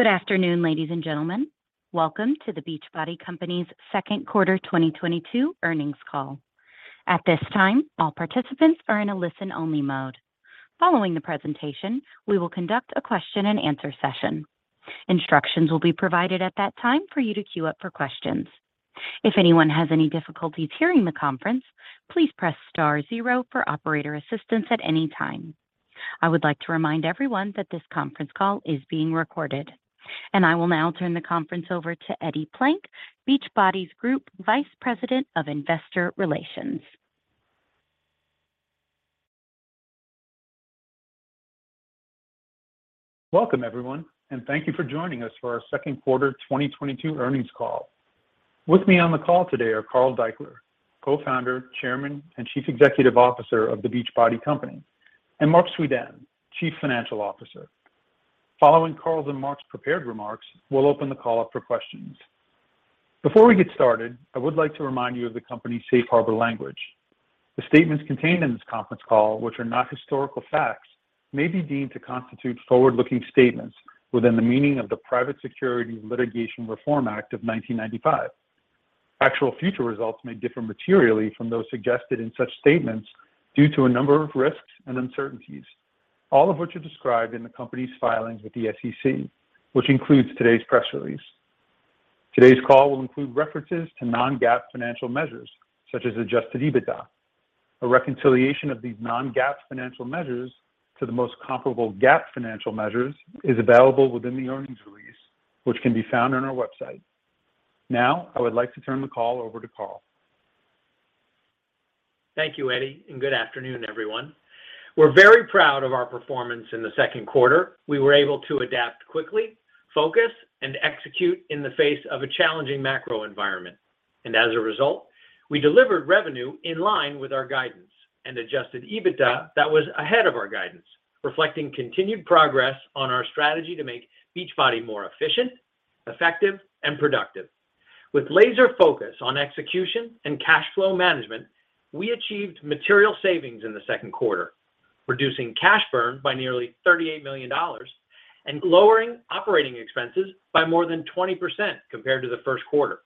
Good afternoon, ladies and gentlemen. Welcome to The Beachbody Company's second quarter 2022 earnings call. At this time, all participants are in a listen-only mode. Following the presentation, we will conduct a question-and-answer session. Instructions will be provided at that time for you to queue up for questions. If anyone has any difficulties hearing the conference, please press star zero for operator assistance at any time. I would like to remind everyone that this conference call is being recorded. I will now turn the conference over to Eddie Plank, The Beachbody's Group Vice President of Investor Relations. Welcome, everyone, and thank you for joining us for our second quarter 2022 earnings call. With me on the call today are Carl Daikeler, Co-Founder, Chairman, and Chief Executive Officer of The Beachbody Company, and Marc Suidan, Chief Financial Officer. Following Carl's and Marc's prepared remarks, we'll open the call up for questions. Before we get started, I would like to remind you of the company's safe harbor language. The statements contained in this conference call which are not historical facts may be deemed to constitute forward-looking statements within the meaning of the Private Securities Litigation Reform Act of 1995. Actual future results may differ materially from those suggested in such statements due to a number of risks and uncertainties, all of which are described in the company's filings with the SEC, which includes today's press release. Today's call will include references to non-GAAP financial measures, such as adjusted EBITDA. A reconciliation of these non-GAAP financial measures to the most comparable GAAP financial measures is available within the earnings release, which can be found on our website. Now, I would like to turn the call over to Carl. Thank you, Eddie, and good afternoon, everyone. We're very proud of our performance in the second quarter. We were able to adapt quickly, focus, and execute in the face of a challenging macro environment. As a result, we delivered revenue in line with our guidance and adjusted EBITDA that was ahead of our guidance, reflecting continued progress on our strategy to make Beachbody more efficient, effective, and productive. With laser focus on execution and cash flow management, we achieved material savings in the second quarter, reducing cash burn by nearly $38 million and lowering operating expenses by more than 20% compared to the first quarter.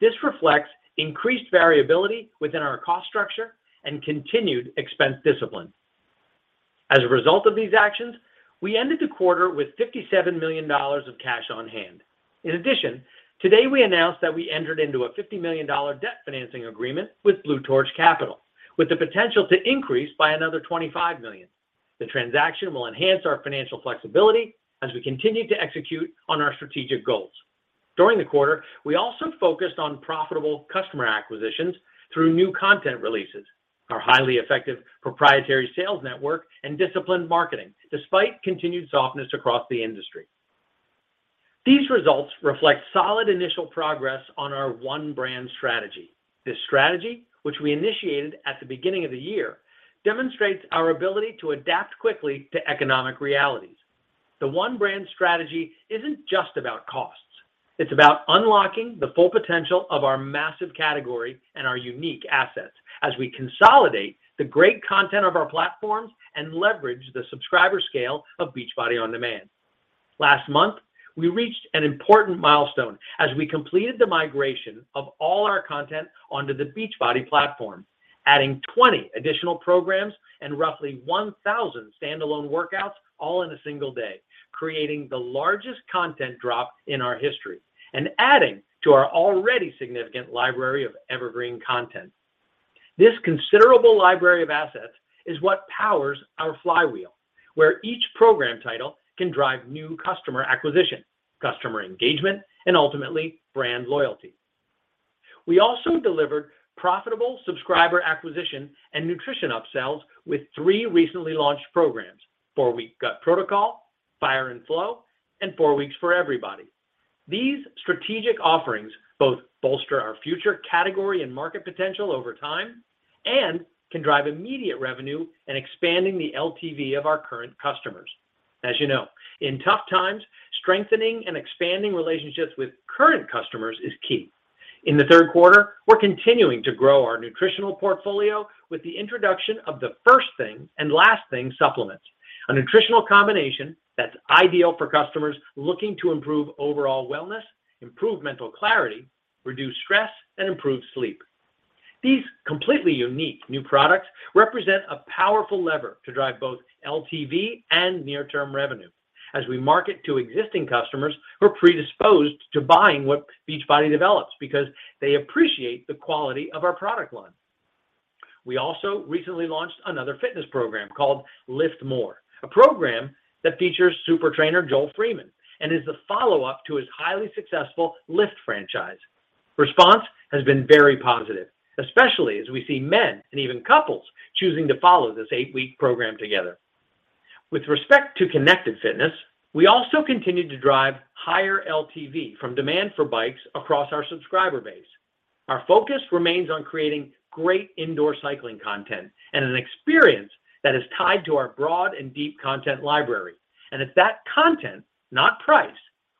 This reflects increased variability within our cost structure and continued expense discipline. As a result of these actions, we ended the quarter with $57 million of cash on hand. In addition, today we announced that we entered into a $50 million debt financing agreement with Blue Torch Capital, with the potential to increase by another $25 million. The transaction will enhance our financial flexibility as we continue to execute on our strategic goals. During the quarter, we also focused on profitable customer acquisitions through new content releases, our highly effective proprietary sales network, and disciplined marketing, despite continued softness across the industry. These results reflect solid initial progress on our One Brand strategy. This strategy, which we initiated at the beginning of the year, demonstrates our ability to adapt quickly to economic realities. The One Brand strategy isn't just about costs. It's about unlocking the full potential of our massive category and our unique assets as we consolidate the great content of our platforms and leverage the subscriber scale of Beachbody On Demand. Last month, we reached an important milestone as we completed the migration of all our content onto the Beachbody platform, adding 20 additional programs and roughly 1,000 standalone workouts all in a single day, creating the largest content drop in our history and adding to our already significant library of evergreen content. This considerable library of assets is what powers our flywheel, where each program title can drive new customer acquisition, customer engagement, and ultimately brand loyalty. We also delivered profitable subscriber acquisition and nutrition upsells with three recently launched programs, 4 Week Gut Protocol, Fire and Flow, and 4 Weeks for Every Body. These strategic offerings both bolster our future category and market potential over time and can drive immediate revenue in expanding the LTV of our current customers. As you know, in tough times, strengthening and expanding relationships with current customers is key. In the third quarter, we're continuing to grow our nutritional portfolio with the introduction of the First Thing and Last Thing supplements, a nutritional combination that's ideal for customers looking to improve overall wellness, improve mental clarity, reduce stress, and improve sleep. These completely unique new products represent a powerful lever to drive both LTV and near-term revenue as we market to existing customers who are predisposed to buying what Beachbody develops because they appreciate the quality of our product line. We also recently launched another fitness program called LIIFT MORE, a program that features Super Trainer Joel Freeman and is the follow-up to his highly successful LIIFT franchise. Response has been very positive, especially as we see men and even couples choosing to follow this eight-week program together. With respect to Connected Fitness, we also continued to drive higher LTV from demand for bikes across our subscriber base. Our focus remains on creating great indoor cycling content and an experience that is tied to our broad and deep content library. It's that content, not price,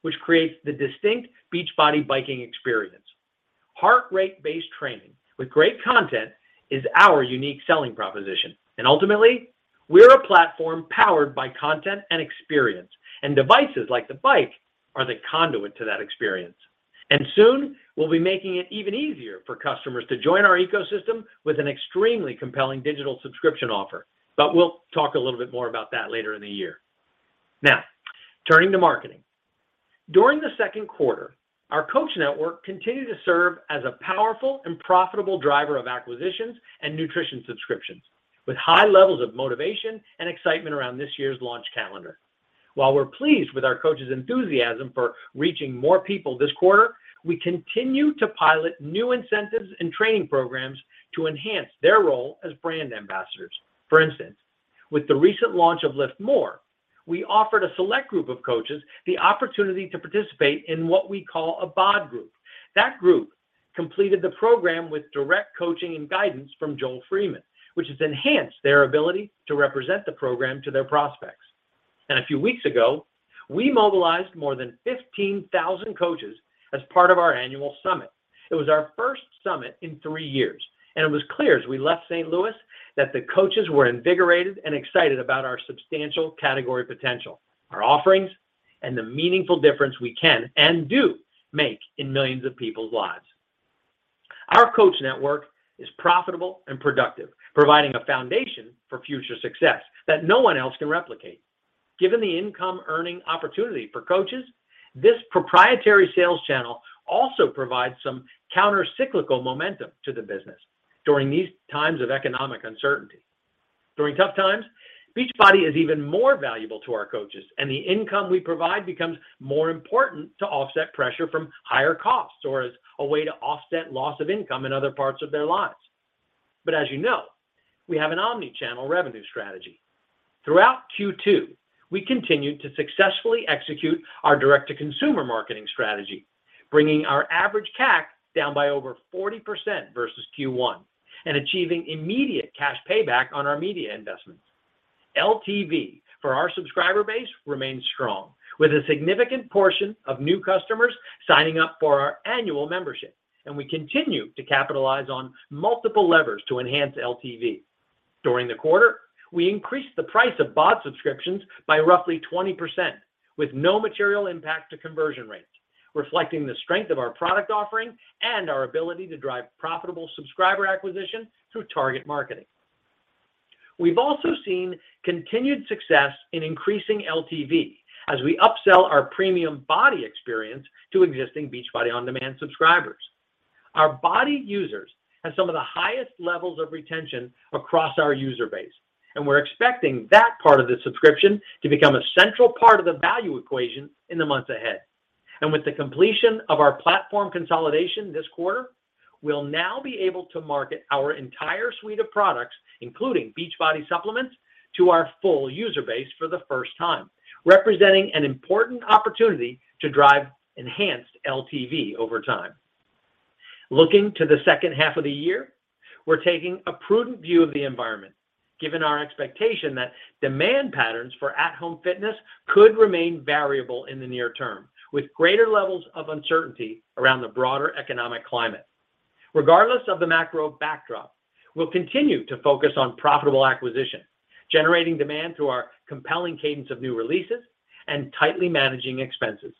which creates the distinct Beachbody biking experience. Heart rate-based training with great content is our unique selling proposition. Ultimately, we're a platform powered by content and experience, and devices like the bike are the conduit to that experience. Soon, we'll be making it even easier for customers to join our ecosystem with an extremely compelling digital subscription offer. We'll talk a little bit more about that later in the year. Now, turning to marketing. During the second quarter, our coach network continued to serve as a powerful and profitable driver of acquisitions and nutrition subscriptions, with high levels of motivation and excitement around this year's launch calendar. While we're pleased with our coaches' enthusiasm for reaching more people this quarter, we continue to pilot new incentives and training programs to enhance their role as brand ambassadors. For instance, with the recent launch of LIIFT MORE, we offered a select group of coaches the opportunity to participate in what we call a BODgroup. That group completed the program with direct coaching and guidance from Joel Freeman, which has enhanced their ability to represent the program to their prospects. A few weeks ago, we mobilized more than 15,000 coaches as part of our annual summit. It was our first summit in three years, and it was clear as we left St. Louis that the coaches were invigorated and excited about our substantial category potential, our offerings, and the meaningful difference we can and do make in millions of people's lives. Our coach network is profitable and productive, providing a foundation for future success that no one else can replicate. Given the income-earning opportunity for coaches, this proprietary sales channel also provides some counter-cyclical momentum to the business during these times of economic uncertainty. During tough times, Beachbody is even more valuable to our coaches, and the income we provide becomes more important to offset pressure from higher costs or as a way to offset loss of income in other parts of their lives. As you know, we have an omni-channel revenue strategy. Throughout Q2, we continued to successfully execute our direct-to-consumer marketing strategy, bringing our average CAC down by over 40% versus Q1 and achieving immediate cash payback on our media investments. LTV for our subscriber base remains strong, with a significant portion of new customers signing up for our annual membership, and we continue to capitalize on multiple levers to enhance LTV. During the quarter, we increased the price of BOD subscriptions by roughly 20% with no material impact to conversion rates, reflecting the strength of our product offering and our ability to drive profitable subscriber acquisition through target marketing. We've also seen continued success in increasing LTV as we upsell our premium BODi experience to existing Beachbody On Demand subscribers. Our BODi users have some of the highest levels of retention across our user base, and we're expecting that part of the subscription to become a central part of the value equation in the months ahead. With the completion of our platform consolidation this quarter, we'll now be able to market our entire suite of products, including Beachbody supplements, to our full user base for the first time, representing an important opportunity to drive enhanced LTV over time. Looking to the second half of the year, we're taking a prudent view of the environment, given our expectation that demand patterns for at-home fitness could remain variable in the near term, with greater levels of uncertainty around the broader economic climate. Regardless of the macro backdrop, we'll continue to focus on profitable acquisition, generating demand through our compelling cadence of new releases and tightly managing expenses.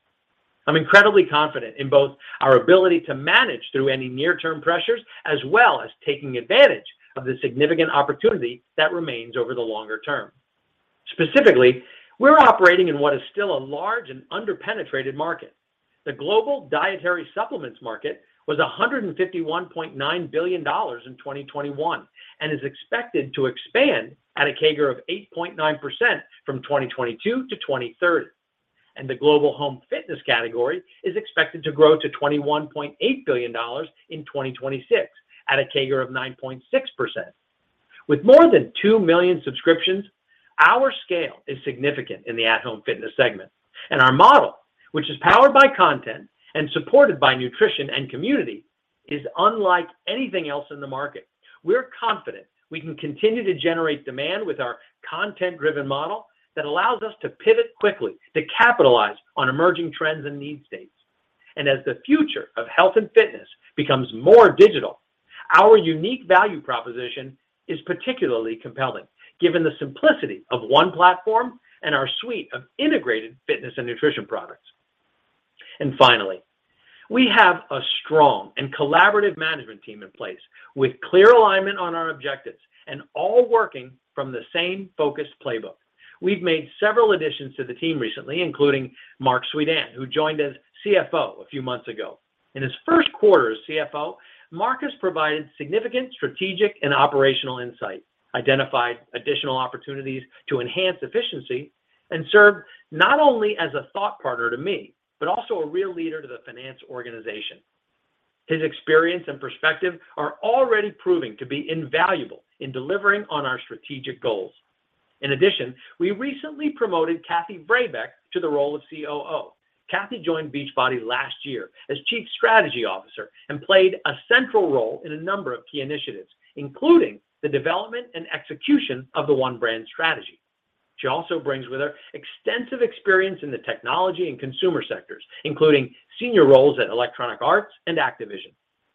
I'm incredibly confident in both our ability to manage through any near-term pressures as well as taking advantage of the significant opportunity that remains over the longer term. Specifically, we're operating in what is still a large and under-penetrated market. The global dietary supplements market was $151.9 billion in 2021 and is expected to expand at a CAGR of 8.9% from 2022 to 2030. The global home fitness category is expected to grow to $21.8 billion in 2026 at a CAGR of 9.6%. With more than 2 million subscriptions, our scale is significant in the at-home fitness segment, and our model, which is powered by content and supported by nutrition and community, is unlike anything else in the market. We're confident we can continue to generate demand with our content-driven model that allows us to pivot quickly to capitalize on emerging trends and need states. As the future of health and fitness becomes more digital, our unique value proposition is particularly compelling given the simplicity of one platform and our suite of integrated fitness and nutrition products. Finally, we have a strong and collaborative management team in place with clear alignment on our objectives and all working from the same focused playbook. We've made several additions to the team recently, including Marc Suidan, who joined as CFO a few months ago. In his first quarter as CFO, Marc has provided significant strategic and operational insight, identified additional opportunities to enhance efficiency, and served not only as a thought partner to me, but also a real leader to the finance organization. His experience and perspective are already proving to be invaluable in delivering on our strategic goals. In addition, we recently promoted Kathy Vrabeck to the role of COO. Kathy joined Beachbody last year as Chief Strategy Officer and played a central role in a number of key initiatives, including the development and execution of the One Brand strategy. She also brings with her extensive experience in the technology and consumer sectors, including senior roles at Electronic Arts and Activision.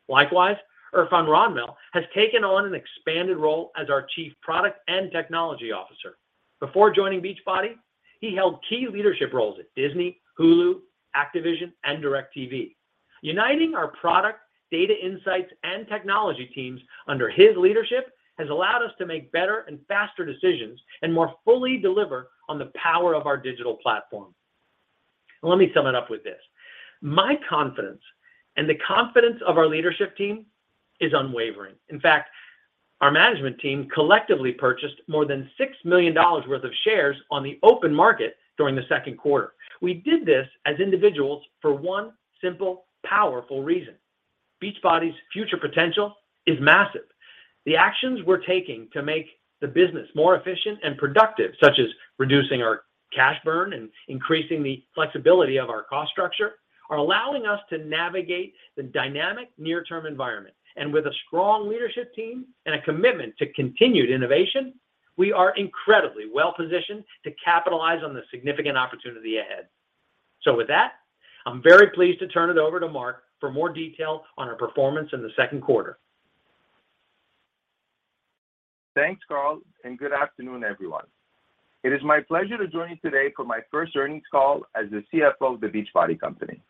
Likewise, Irfan Ranmal has taken on an expanded role as our Chief Product and Technology Officer. Before joining Beachbody, he held key leadership roles at Disney, Hulu, Activision, and DirecTV. Uniting our product, data insights, and technology teams under his leadership has allowed us to make better and faster decisions and more fully deliver on the power of our digital platform. Let me sum it up with this. My confidence and the confidence of our leadership team is unwavering. In fact, our management team collectively purchased more than $6 million worth of shares on the open market during the second quarter. We did this as individuals for one simple, powerful reason. Beachbody's future potential is massive. The actions we're taking to make the business more efficient and productive, such as reducing our cash burn and increasing the flexibility of our cost structure, are allowing us to navigate the dynamic near-term environment. With a strong leadership team and a commitment to continued innovation, we are incredibly well-positioned to capitalize on the significant opportunity ahead. With that, I'm very pleased to turn it over to Marc for more detail on our performance in the second quarter. Thanks, Carl, and good afternoon, everyone. It is my pleasure to join you today for my first earnings call as the CFO of The Beachbody Company.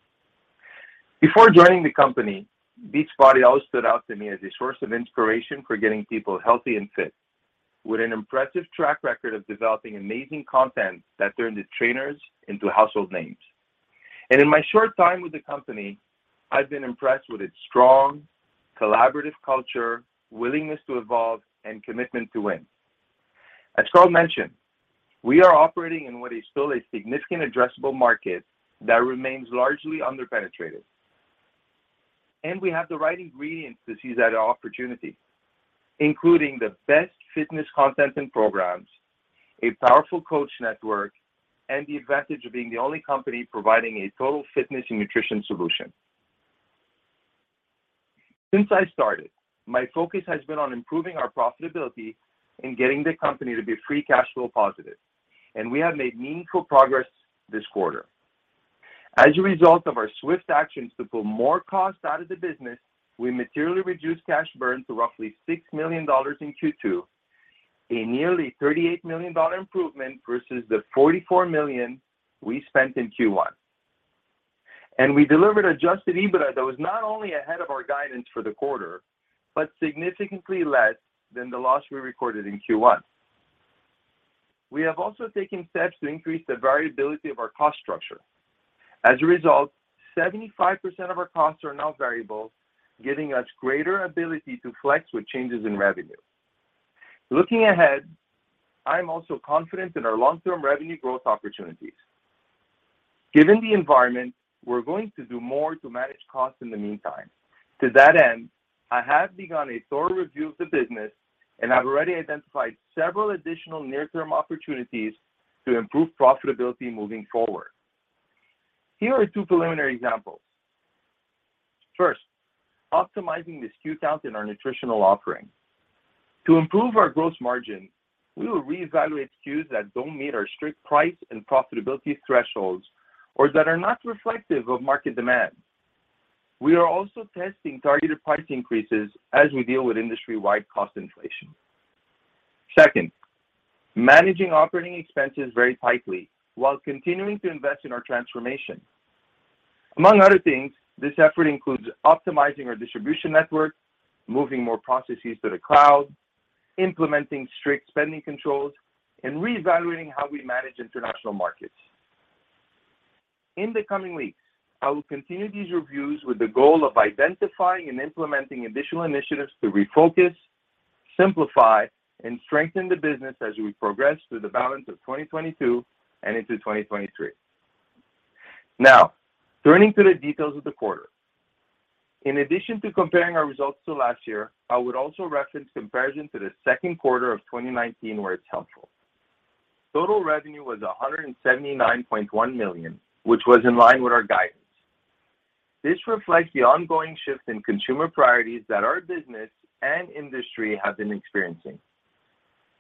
Before joining the company, Beachbody always stood out to me as a source of inspiration for getting people healthy and fit, with an impressive track record of developing amazing content that turned the trainers into household names. In my short time with the company, I've been impressed with its strong, collaborative culture, willingness to evolve, and commitment to win. As Carl mentioned, we are operating in what is still a significant addressable market that remains largely under-penetrated. We have the right ingredients to seize that opportunity, including the best fitness content and programs, a powerful coach network, and the advantage of being the only company providing a total fitness and nutrition solution. Since I started, my focus has been on improving our profitability and getting the company to be free cash flow positive, and we have made meaningful progress this quarter. As a result of our swift actions to pull more costs out of the business, we materially reduced cash burn to roughly $6 million in Q2, a nearly $38 million improvement versus the $44 million we spent in Q1. We delivered adjusted EBITDA that was not only ahead of our guidance for the quarter, but significantly less than the loss we recorded in Q1. We have also taken steps to increase the variability of our cost structure. As a result, 75% of our costs are now variable, giving us greater ability to flex with changes in revenue. Looking ahead, I am also confident in our long-term revenue growth opportunities. Given the environment, we're going to do more to manage costs in the meantime. To that end, I have begun a thorough review of the business, and I've already identified several additional near-term opportunities to improve profitability moving forward. Here are two preliminary examples. First, optimizing the SKU count in our nutritional offerings. To improve our gross margin, we will reevaluate SKUs that don't meet our strict price and profitability thresholds or that are not reflective of market demand. We are also testing targeted price increases as we deal with industry-wide cost inflation. Second, managing operating expenses very tightly while continuing to invest in our transformation. Among other things, this effort includes optimizing our distribution network, moving more processes to the cloud, implementing strict spending controls, and reevaluating how we manage international markets. In the coming weeks, I will continue these reviews with the goal of identifying and implementing additional initiatives to refocus, simplify, and strengthen the business as we progress through the balance of 2022 and into 2023. Now, turning to the details of the quarter. In addition to comparing our results to last year, I would also reference comparison to the second quarter of 2019 where it's helpful. Total revenue was $179.1 million, which was in line with our guidance. This reflects the ongoing shift in consumer priorities that our business and industry have been experiencing.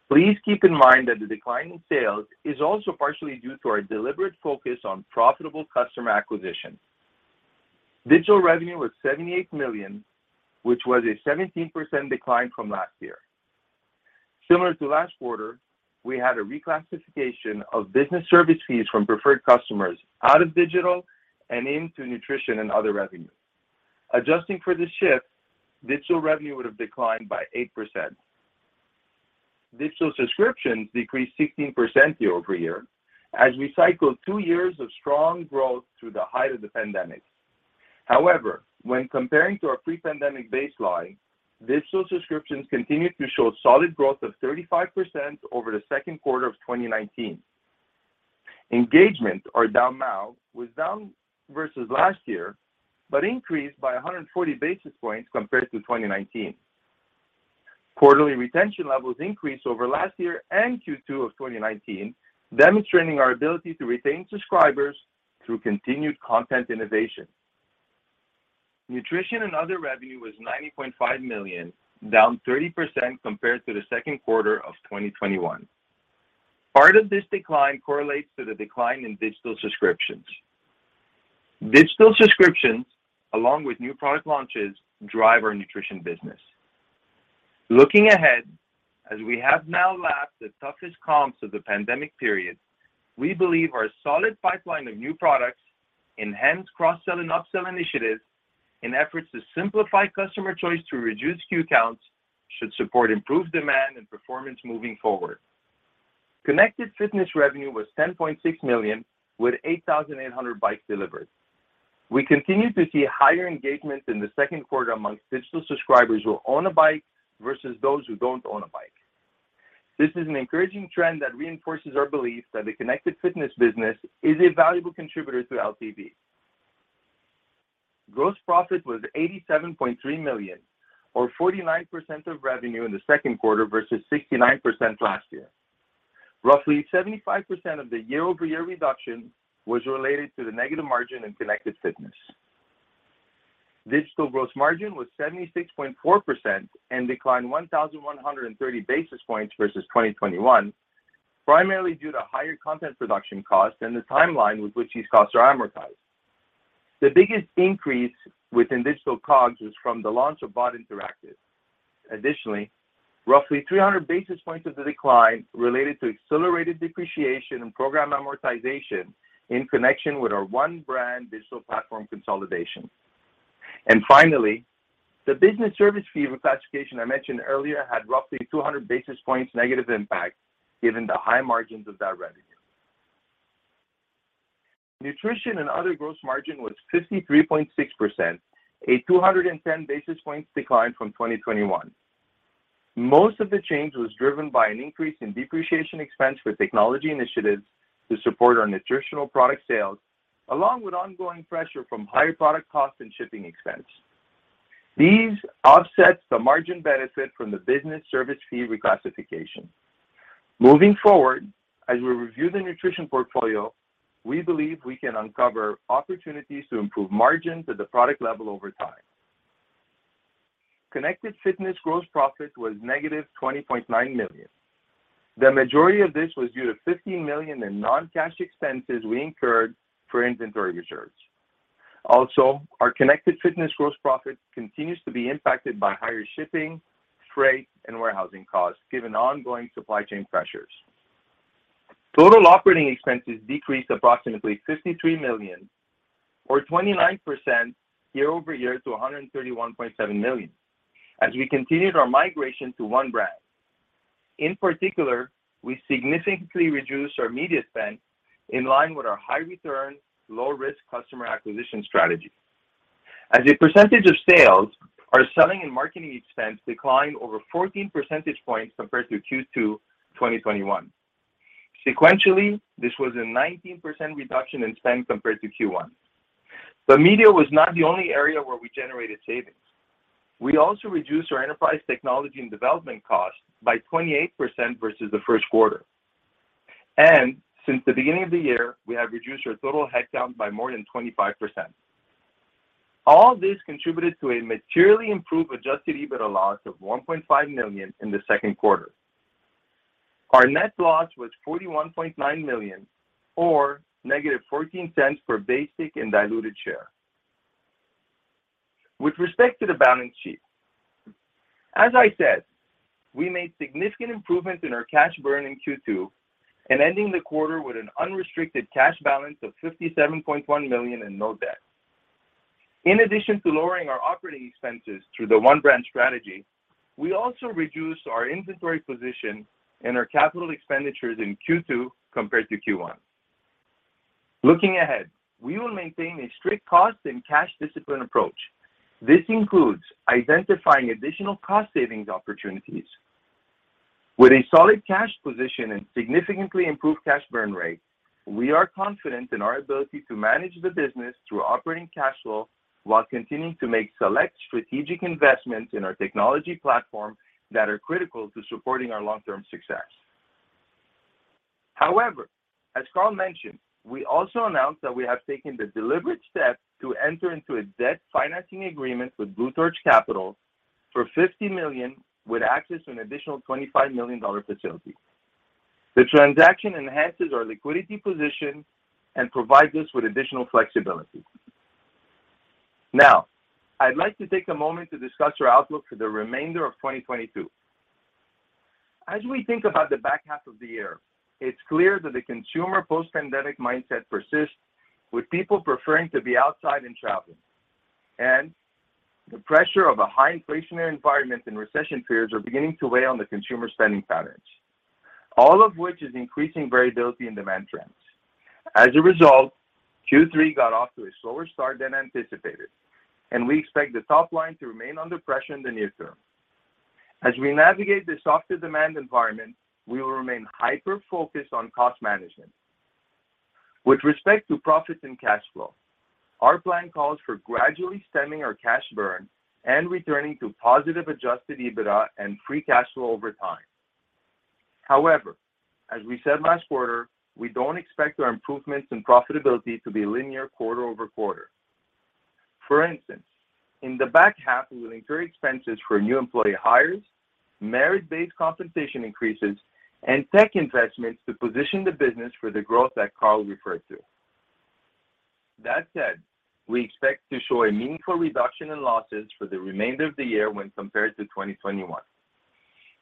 Please keep in mind that the decline in sales is also partially due to our deliberate focus on profitable customer acquisition. Digital revenue was $78 million, which was a 17% decline from last year. Similar to last quarter, we had a reclassification of business service fees from preferred customers out of digital and into nutrition and other revenue. Adjusting for this shift, digital revenue would have declined by 8%. Digital subscriptions decreased 16% year-over-year as we cycled two years of strong growth through the height of the pandemic. However, when comparing to our pre-pandemic baseline, digital subscriptions continued to show solid growth of 35% over the second quarter of 2019. Engagement, or DAU/MAU, was down versus last year, but increased by 140 basis points compared to 2019. Quarterly retention levels increased over last year and Q2 of 2019, demonstrating our ability to retain subscribers through continued content innovation. Nutrition and other revenue was $90.5 million, down 30% compared to the second quarter of 2021. Part of this decline correlates to the decline in digital subscriptions. Digital subscriptions, along with new product launches, drive our nutrition business. Looking ahead, as we have now lapped the toughest comps of the pandemic period, we believe our solid pipeline of new products enhance cross-sell and upsell initiatives in efforts to simplify customer choice to reduce SKU counts should support improved demand and performance moving forward. Connected Fitness revenue was $10.6 million, with 8,800 bikes delivered. We continue to see higher engagement in the second quarter amongst digital subscribers who own a bike versus those who don't own a bike. This is an encouraging trend that reinforces our belief that the Connected Fitness business is a valuable contributor to LTV. Gross profit was $87.3 million, or 49% of revenue in the second quarter versus 69% last year. Roughly 75% of the year-over-year reduction was related to the negative margin in Connected Fitness. Digital gross margin was 76.4% and declined 1,130 basis points versus 2021, primarily due to higher content production costs and the timeline with which these costs are amortized. The biggest increase within digital COGS was from the launch of BODi Interactive. Additionally, roughly 300 basis points of the decline related to accelerated depreciation and program amortization in connection with our One Brand digital platform consolidation. Finally, the business service fee of classification I mentioned earlier had roughly 200 basis points negative impact given the high margins of that revenue. Nutrition and other gross margin was 53.6%, a 210 basis points decline from 2021. Most of the change was driven by an increase in depreciation expense for technology initiatives to support our nutritional product sales, along with ongoing pressure from higher product costs and shipping expense. These offset the margin benefit from the business service fee reclassification. Moving forward, as we review the nutrition portfolio, we believe we can uncover opportunities to improve margins at the product level over time. Connected Fitness gross profit was -$20.9 million. The majority of this was due to $15 million in non-cash expenses we incurred for inventory reserves. Also, our Connected Fitness gross profit continues to be impacted by higher shipping, freight, and warehousing costs given ongoing supply chain pressures. Total operating expenses decreased approximately $53 million or 29% year-over-year to $131.7 million as we continued our migration to One Brand. In particular, we significantly reduced our media spend in line with our high return, low risk customer acquisition strategy. As a percentage of sales, our selling and marketing expense declined over 14 percentage points compared to Q2 2021. Sequentially, this was a 19% reduction in spend compared to Q1. Media was not the only area where we generated savings. We also reduced our enterprise technology and development costs by 28% versus the first quarter. Since the beginning of the year, we have reduced our total headcount by more than 25%. All this contributed to a materially improved adjusted EBITDA loss of $1.5 million in the second quarter. Our net loss was $41.9 million or -$0.14 per basic and diluted share. With respect to the balance sheet, as I said, we made significant improvements in our cash burn in Q2 and ending the quarter with an unrestricted cash balance of $57.1 million and no debt. In addition to lowering our operating expenses through the One Brand strategy, we also reduced our inventory position and our capital expenditures in Q2 compared to Q1. Looking ahead, we will maintain a strict cost and cash discipline approach. This includes identifying additional cost savings opportunities. With a solid cash position and significantly improved cash burn rate, we are confident in our ability to manage the business through operating cash flow while continuing to make select strategic investments in our technology platform that are critical to supporting our long-term success. However, as Carl mentioned, we also announced that we have taken the deliberate step to enter into a debt financing agreement with Blue Torch Capital for $50 million with access to an additional $25 million facility. The transaction enhances our liquidity position and provides us with additional flexibility. Now, I'd like to take a moment to discuss our outlook for the remainder of 2022. As we think about the back half of the year, it's clear that the consumer post-pandemic mindset persists with people preferring to be outside and traveling. The pressure of a high inflationary environment and recession fears are beginning to weigh on the consumer spending patterns, all of which is increasing variability in demand trends. As a result, Q3 got off to a slower start than anticipated, and we expect the top line to remain under pressure in the near term. As we navigate the softer demand environment, we will remain hyper-focused on cost management. With respect to profits and cash flow, our plan calls for gradually stemming our cash burn and returning to positive adjusted EBITDA and free cash flow over time. However, as we said last quarter, we don't expect our improvements in profitability to be linear quarter-over-quarter. For instance, in the back half, we will incur expenses for new employee hires, merit-based compensation increases, and tech investments to position the business for the growth that Carl referred to. That said, we expect to show a meaningful reduction in losses for the remainder of the year when compared to 2021.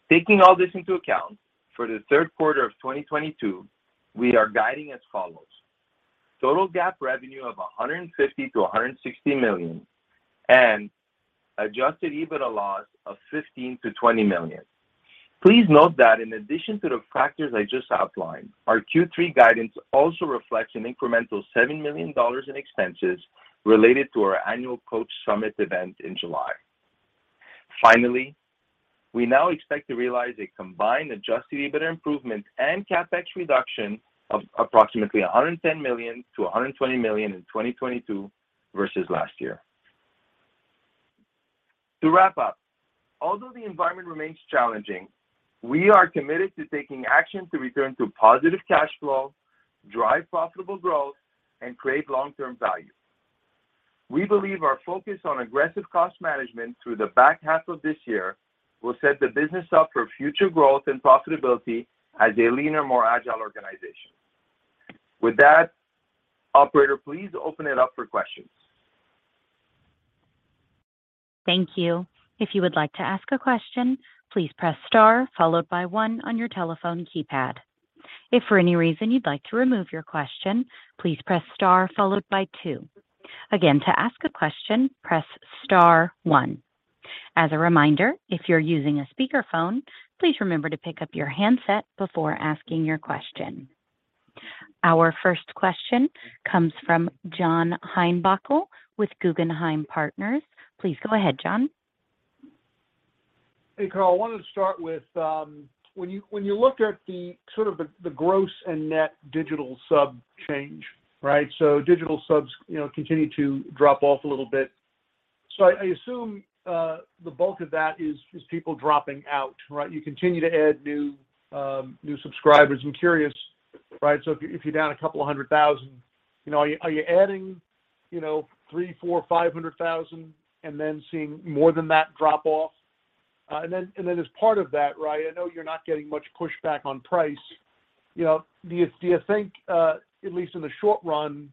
Taking all this into account, for the third quarter of 2022, we are guiding as follows. Total GAAP revenue of $150 million-$160 million and adjusted EBITDA loss of $15 million-$20 million. Please note that in addition to the factors I just outlined, our Q3 guidance also reflects an incremental $7 million in expenses related to our annual Coach Summit event in July. Finally, we now expect to realize a combined adjusted EBITDA improvement and CapEx reduction of approximately $110 million-$120 million in 2022 versus last year. To wrap up, although the environment remains challenging, we are committed to taking action to return to positive cash flow, drive profitable growth, and create long-term value. We believe our focus on aggressive cost management through the back half of this year will set the business up for future growth and profitability as a leaner, more agile organization. With that, operator, please open it up for questions. Thank you. If you would like to ask a question, please press star followed by one on your telephone keypad. If for any reason you'd like to remove your question, please press star followed by two. Again, to ask a question, press star one. As a reminder, if you're using a speakerphone, please remember to pick up your handset before asking your question. Our first question comes from John Heinbockel with Guggenheim Partners. Please go ahead, John. Hey, Carl, wanted to start with when you looked at the sort of the gross and net digital sub change, right? Digital subs, you know, continue to drop off a little bit. I assume the bulk of that is people dropping out, right? You continue to add new subscribers. I'm curious, right, so if you're down 200,000, you know, are you adding, you know, 300,000, 400,000, 500,000 and then seeing more than that drop off? And then as part of that, right, I know you're not getting much pushback on price. You know, do you think at least in the short run,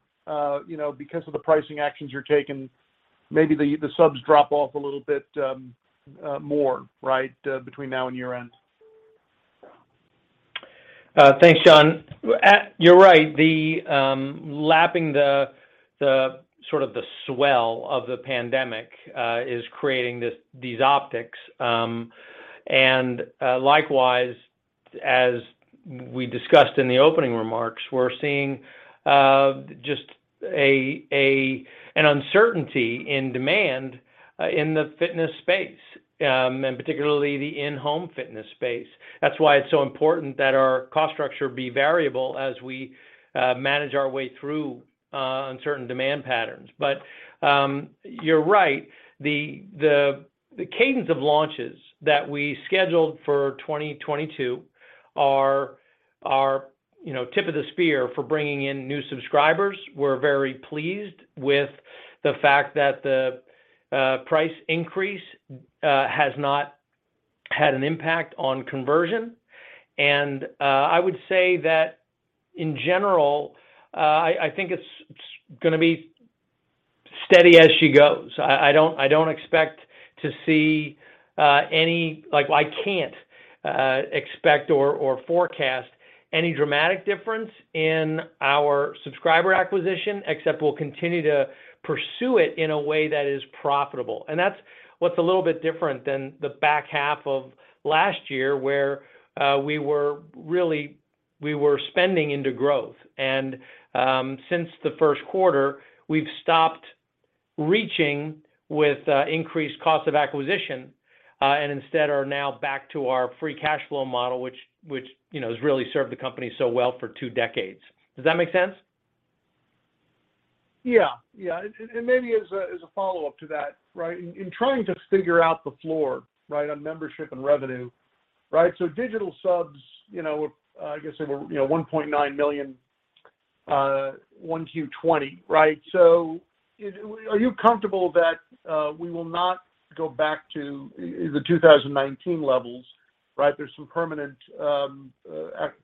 you know, because of the pricing actions you're taking, maybe the subs drop off a little bit more, right, between now and year-end? Thanks, John. You're right. Lapping the sort of swell of the pandemic is creating these optics. Likewise, as we discussed in the opening remarks, we're seeing just an uncertainty in demand in the fitness space, and particularly the in-home fitness space. That's why it's so important that our cost structure be variable as we manage our way through uncertain demand patterns. You're right. The cadence of launches that we scheduled for 2022 are, you know, tip of the spear for bringing in new subscribers. We're very pleased with the fact that the price increase has not had an impact on conversion. I would say that in general, I think it's gonna be steady as she goes. I don't expect to see any like I can't expect or forecast any dramatic difference in our subscriber acquisition, except we'll continue to pursue it in a way that is profitable. That's what's a little bit different than the back half of last year, where we were really spending into growth. Since the first quarter, we've stopped reaching with increased cost of acquisition and instead are now back to our free cash flow model, which you know has really served the company so well for two decades. Does that make sense? Yeah. Yeah. Maybe as a follow-up to that, right, in trying to figure out the floor, right, on membership and revenue, right, so digital subs, you know, I guess there were, you know, 1.9 million, 1Q 2020, right? So are you comfortable that we will not go back to the 2019 levels, right? There's some permanent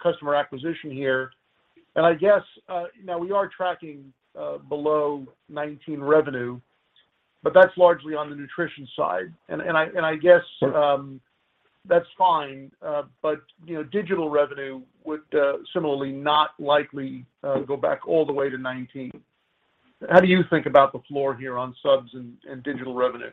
customer acquisition here. I guess now we are tracking below 2019 revenue, but that's largely on the nutrition side. I guess- Sure That's fine. You know, digital revenue would similarly not likely go back all the way to 2019. How do you think about the floor here on subs and digital revenue?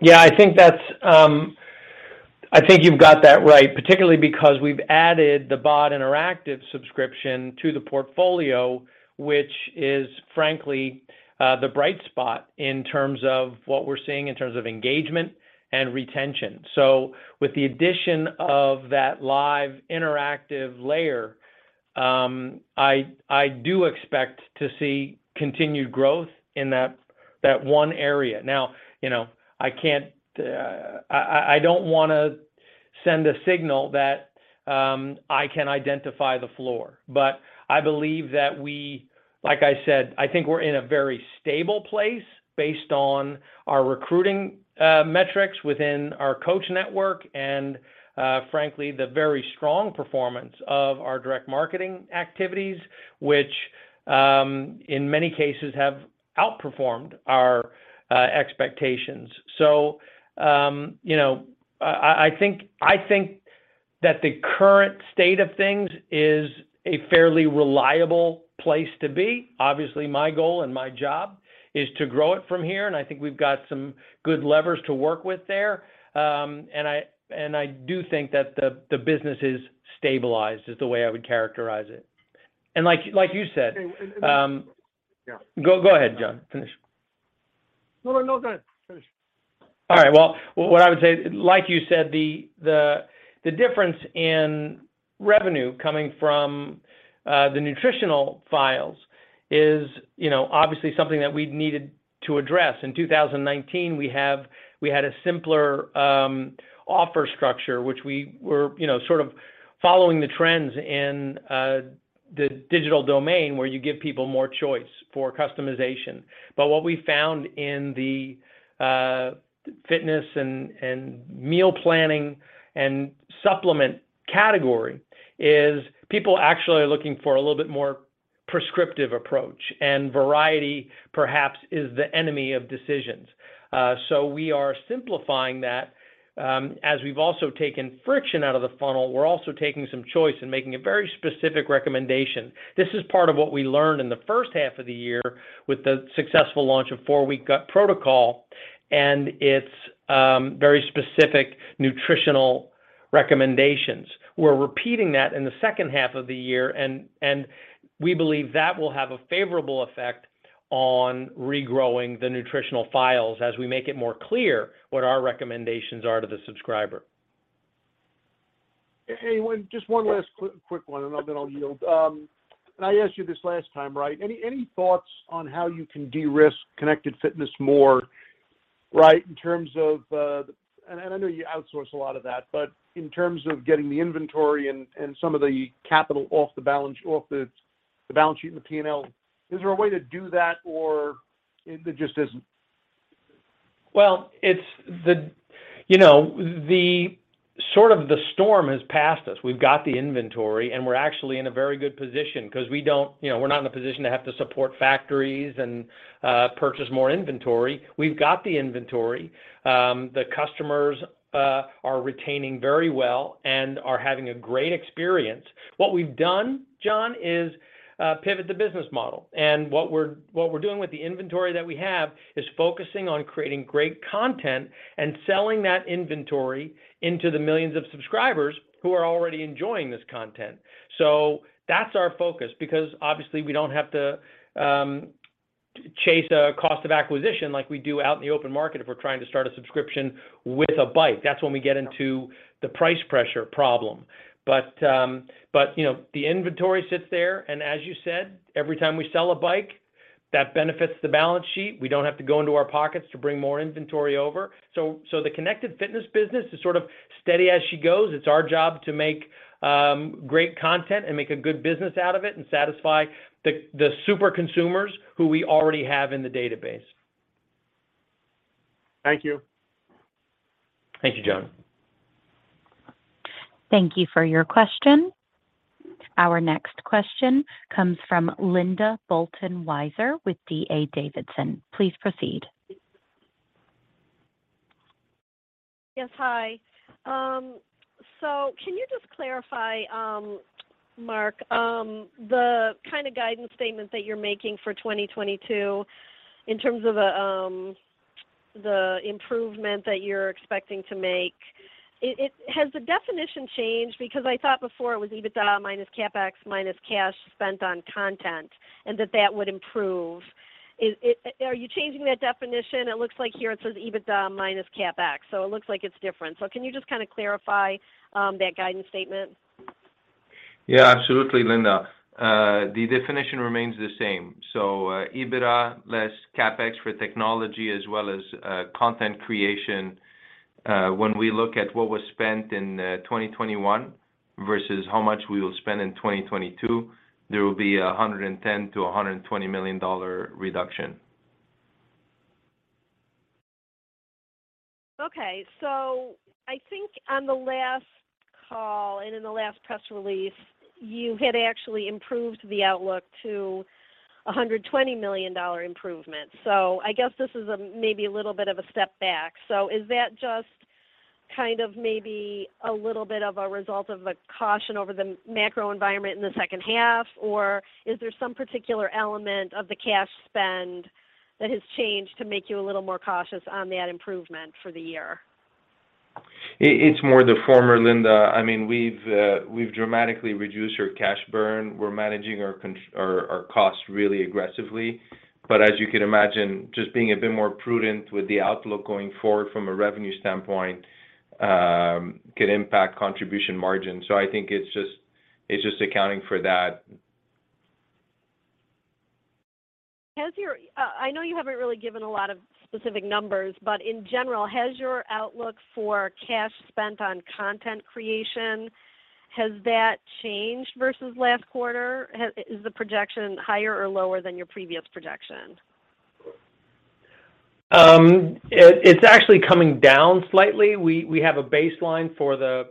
Yeah, I think that's, I think you've got that right, particularly because we've added the BODi Interactive subscription to the portfolio, which is frankly, the bright spot in terms of what we're seeing in terms of engagement and retention. With the addition of that live interactive layer, I do expect to see continued growth in that one area. Now, you know, I can't I don't wanna send a signal that I can identify the floor. I believe that we like I said, I think we're in a very stable place based on our recruiting metrics within our coach network, and frankly, the very strong performance of our direct marketing activities, which in many cases have outperformed our expectations. You know, I think that the current state of things is a fairly reliable place to be. Obviously, my goal and my job is to grow it from here, and I think we've got some good levers to work with there. I do think that the business is stabilized, is the way I would characterize it. Like you said. Yeah. Go ahead, John. Finish. No, no, go ahead. Finish. All right. Well, what I would say, like you said, the difference in revenue coming from the nutritional side is, you know, obviously something that we needed to address. In 2019, we had a simpler offer structure, which we were, you know, sort of following the trends in the digital domain, where you give people more choice for customization. But what we found in the fitness and meal planning and supplement category is people actually are looking for a little bit more prescriptive approach, and variety perhaps is the enemy of decisions. We are simplifying that, as we've also taken friction out of the funnel, we're also taking some choice and making a very specific recommendation. This is part of what we learned in the first half of the year with the successful launch of 4 Week Gut Protocol and its very specific nutritional recommendations. We're repeating that in the second half of the year, and we believe that will have a favorable effect on regrowing the nutritional files as we make it more clear what our recommendations are to the subscriber. Hey, just one last quick one, and then I'll yield. I asked you this last time, right? Any thoughts on how you can de-risk Connected Fitness more, right, in terms of... I know you outsource a lot of that, but in terms of getting the inventory and some of the capital off the balance sheet and the P&L. Is there a way to do that or there just isn't? Well, you know, the sort of storm has passed us. We've got the inventory, and we're actually in a very good position 'cause we don't, you know, we're not in a position to have to support factories and purchase more inventory. We've got the inventory. The customers are retaining very well and are having a great experience. What we've done, John, is pivot the business model. What we're doing with the inventory that we have is focusing on creating great content and selling that inventory into the millions of subscribers who are already enjoying this content. That's our focus because, obviously, we don't have to chase a cost of acquisition like we do out in the open market if we're trying to start a subscription with a bike. That's when we get into the price pressure problem. You know, the inventory sits there, and as you said, every time we sell a bike, that benefits the balance sheet. We don't have to go into our pockets to bring more inventory over. The Connected Fitness business is sort of steady as she goes. It's our job to make great content and make a good business out of it and satisfy the super consumers who we already have in the database. Thank you. Thank you, John. Thank you for your question. Our next question comes from Linda Bolton Weiser with D.A. Davidson. Please proceed. Yes. Hi. So can you just clarify, Marc, the kind of guidance statement that you're making for 2022 in terms of the improvement that you're expecting to make? It has the definition changed? Because I thought before it was EBITDA minus CapEx minus cash spent on content, and that would improve. Are you changing that definition? It looks like here it says EBITDA minus CapEx, so it looks like it's different. Can you just kinda clarify that guidance statement? Yeah, absolutely, Linda. The definition remains the same. EBITDA less CapEx for technology as well as content creation. When we look at what was spent in 2021 versus how much we will spend in 2022, there will be a $110 million-$120 million reduction. Okay. I think on the last call and in the last press release, you had actually improved the outlook to a $120 million improvement. I guess this is maybe a little bit of a step back. Is that just kind of maybe a little bit of a result of a caution over the macro environment in the second half, or is there some particular element of the cash spend that has changed to make you a little more cautious on that improvement for the year? It's more the former, Linda. I mean, we've dramatically reduced our cash burn. We're managing our costs really aggressively. As you can imagine, just being a bit more prudent with the outlook going forward from a revenue standpoint could impact contribution margin. I think it's just accounting for that. I know you haven't really given a lot of specific numbers, but in general, has your outlook for cash spent on content creation, has that changed versus last quarter? Is the projection higher or lower than your previous projection? It's actually coming down slightly. We have a baseline for the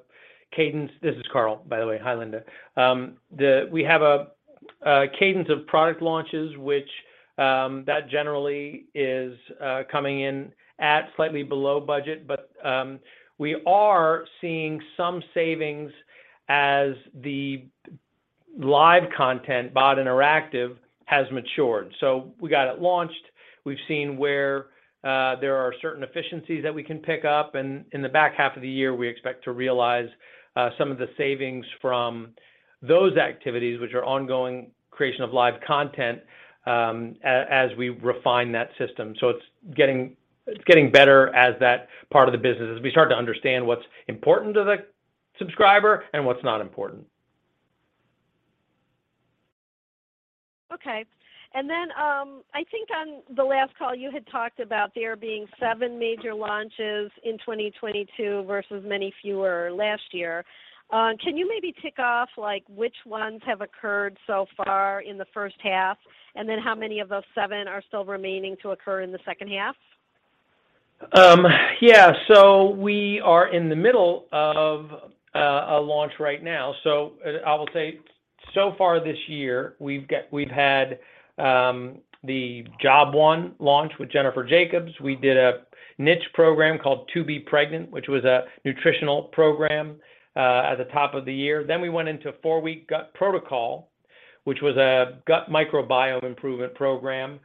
cadence. This is Carl, by the way. Hi, Linda. We have a cadence of product launches, which generally is coming in at slightly below budget, but we are seeing some savings as the live content, BODi Interactive, has matured. We got it launched. We've seen where there are certain efficiencies that we can pick up, and in the back half of the year, we expect to realize some of the savings from those activities, which are ongoing creation of live content, as we refine that system. It's getting better as that part of the business, as we start to understand what's important to the subscriber and what's not important. I think on the last call, you had talked about there being seven major launches in 2022 versus many fewer last year. Can you maybe tick off, like, which ones have occurred so far in the first half? How many of those seven are still remaining to occur in the second half? We are in the middle of a launch right now. I will say so far this year, we've had the Job 1 launch with Jennifer Jacobs. We did a niche program called 2B Pregnant, which was a nutritional program at the top of the year. We went into 4 Week Gut Protocol, which was a gut microbiome improvement program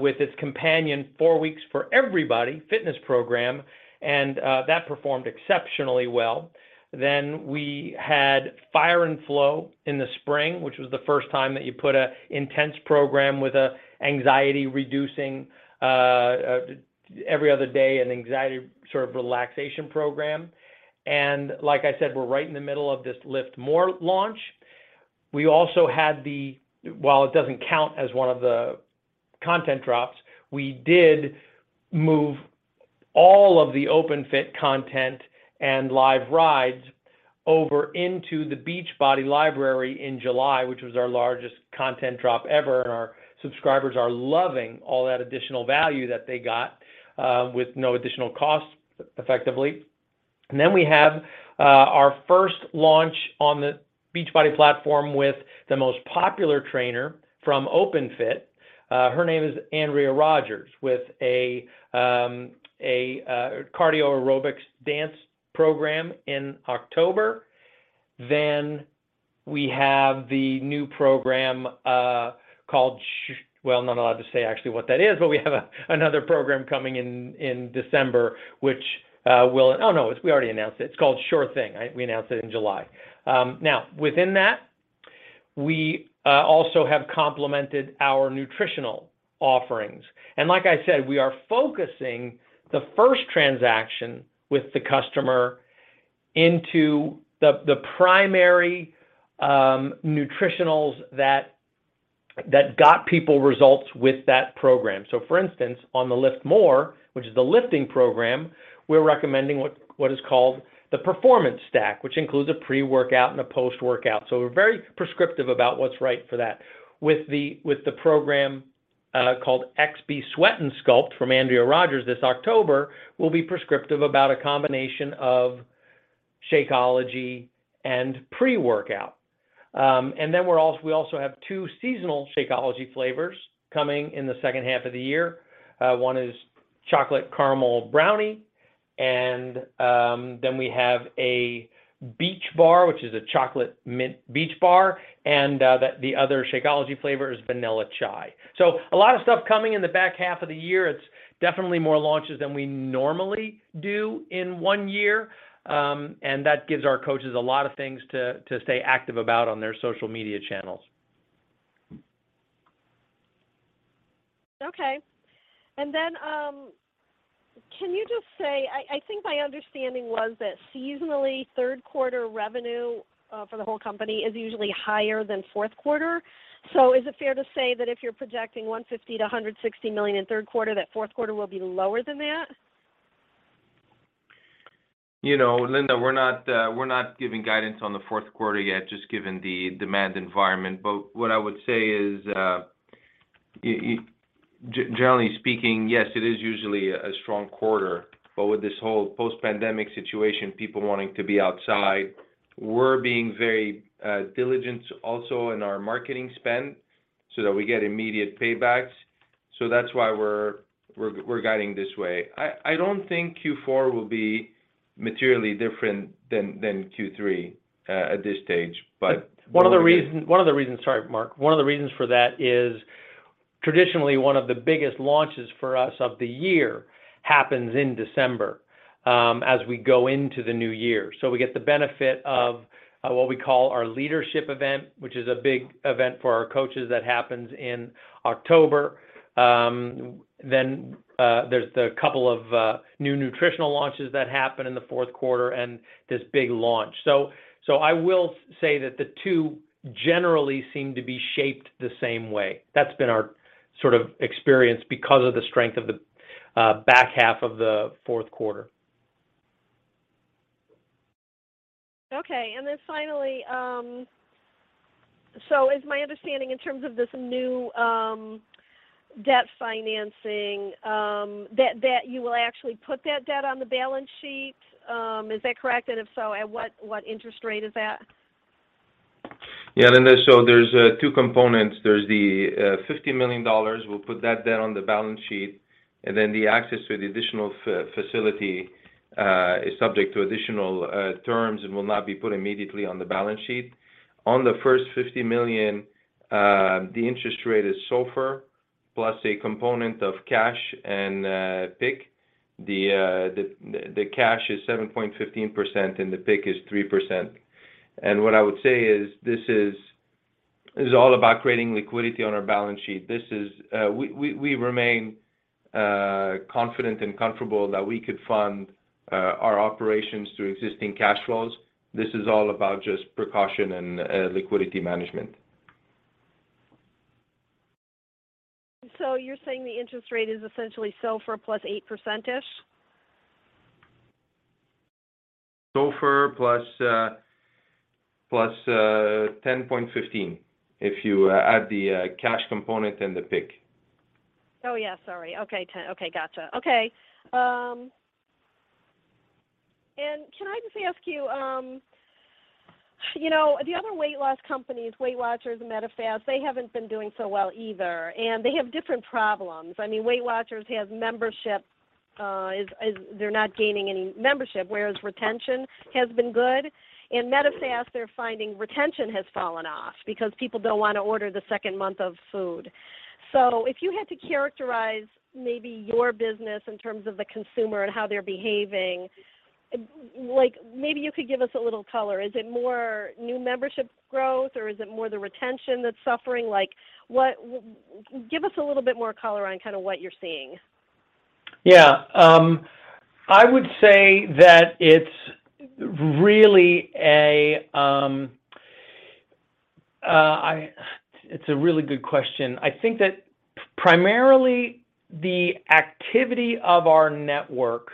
with its companion 4 Weeks for Every Body fitness program, and that performed exceptionally well. We had Fire and Flow in the spring, which was the first time that you put an intense program with an anxiety-reducing every other day, an anxiety sort of relaxation program. Like I said, we are right in the middle of this LIIFT MORE launch. We also had the- While it doesn't count as one of the content drops, we did move all of the Openfit content and live rides over into the Beachbody library in July, which was our largest content drop ever, and our subscribers are loving all that additional value that they got, with no additional cost, effectively. Then we have our first launch on the Beachbody platform with the most popular trainer from Openfit. Her name is Andrea Rogers, with a cardio aerobics dance program in October. We have the new program, called well, I'm not allowed to say actually what that is, but we have another program coming in December, which we'll. Oh, no, we already announced it. It's called Sure Thing. We announced it in July. Now, within that, we also have complemented our nutritional offerings. Like I said, we are focusing the first transaction with the customer into the primary nutritionals that got people results with that program. For instance, on the LIIFT MORE, which is the lifting program, we're recommending what is called the performance stack, which includes a pre-workout and a post-workout. We're very prescriptive about what's right for that. With the program called XB Sweat + Sculpt from Andrea Rogers this October, we'll be prescriptive about a combination of Shakeology and pre-workout. And then we also have two seasonal Shakeology flavors coming in the second half of the year. One is chocolate caramel brownie, and then we have a BEACHBAR, which is a chocolate mint BEACHBAR, and the other Shakeology flavor is vanilla chai. A lot of stuff coming in the back half of the year. It's definitely more launches than we normally do in one year, and that gives our coaches a lot of things to stay active about on their social media channels. Okay. Can you just say I think my understanding was that seasonally, third quarter revenue for the whole company is usually higher than fourth quarter. Is it fair to say that if you're projecting $150 million-$160 million in third quarter, that fourth quarter will be lower than that? You know, Linda, we're not giving guidance on the fourth quarter yet, just given the demand environment. What I would say is, generally speaking, yes, it is usually a strong quarter. With this whole post-pandemic situation, people wanting to be outside, we're being very diligent also in our marketing spend so that we get immediate paybacks. That's why we're guiding this way. I don't think Q4 will be materially different than Q3 at this stage, but. Sorry, Marc. One of the reasons for that is traditionally one of the biggest launches for us of the year happens in December as we go into the new year. We get the benefit of what we call our leadership event, which is a big event for our coaches that happens in October. There's a couple of new nutritional launches that happen in the fourth quarter and this big launch. I will say that the two generally seem to be shaped the same way. That's been our sort of experience because of the strength of the back half of the fourth quarter. Okay. Finally, is my understanding in terms of this new debt financing that you will actually put that debt on the balance sheet, is that correct? And if so, at what interest rate is that? Yeah, Linda, so there's two components. There's the $50 million, we'll put that down on the balance sheet, and then the access to the additional facility is subject to additional terms and will not be put immediately on the balance sheet. On the first $50 million, the interest rate is SOFR plus a component of cash and PIK. The cash is 7.15% and the PIK is 3%. What I would say is, this is all about creating liquidity on our balance sheet. We remain confident and comfortable that we could fund our operations through existing cash flows. This is all about just precaution and liquidity management. You're saying the interest rate is essentially SOFR plus 8%-ish? SOFR plus 10.15%, if you add the cash component and the PIK. Oh, yeah, sorry. Okay, 10%. Okay, gotcha. Okay. Can I just ask you know, the other weight loss companies, Weight Watchers and Medifast, they haven't been doing so well either, and they have different problems. I mean, Weight Watchers has membership, they're not gaining any membership, whereas retention has been good. Medifast, they're finding retention has fallen off because people don't want to order the second month of food. If you had to characterize maybe your business in terms of the consumer and how they're behaving, like maybe you could give us a little color. Is it more new membership growth, or is it more the retention that's suffering? Like, what. Give us a little bit more color on kind of what you're seeing. Yeah. It's a really good question. I think that primarily the activity of our network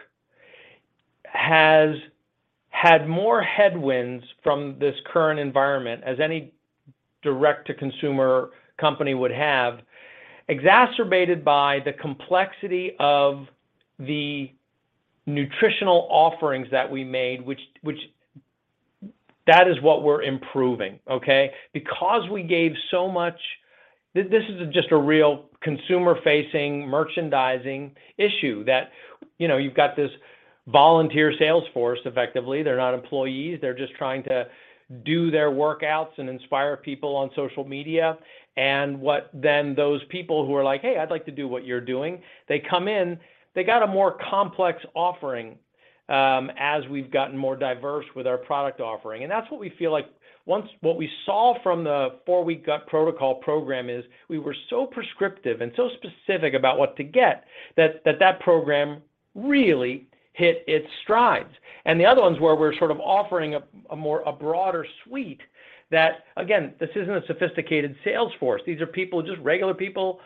has had more headwinds from this current environment as any direct to consumer company would have, exacerbated by the complexity of the nutritional offerings that we made, which that is what we're improving, okay? Because we gave so much. This is just a real consumer-facing merchandising issue that, you know, you've got this volunteer sales force, effectively, they're not employees, they're just trying to do their workouts and inspire people on social media. What then those people who are like, "Hey, I'd like to do what you're doing," they come in, they got a more complex offering, as we've gotten more diverse with our product offering. What we saw from the 4 Week Gut Protocol program is we were so prescriptive and so specific about what to get that that program really hit its strides. The other ones where we're sort of offering a broader suite that, again, this isn't a sophisticated sales force. These are people, just regular people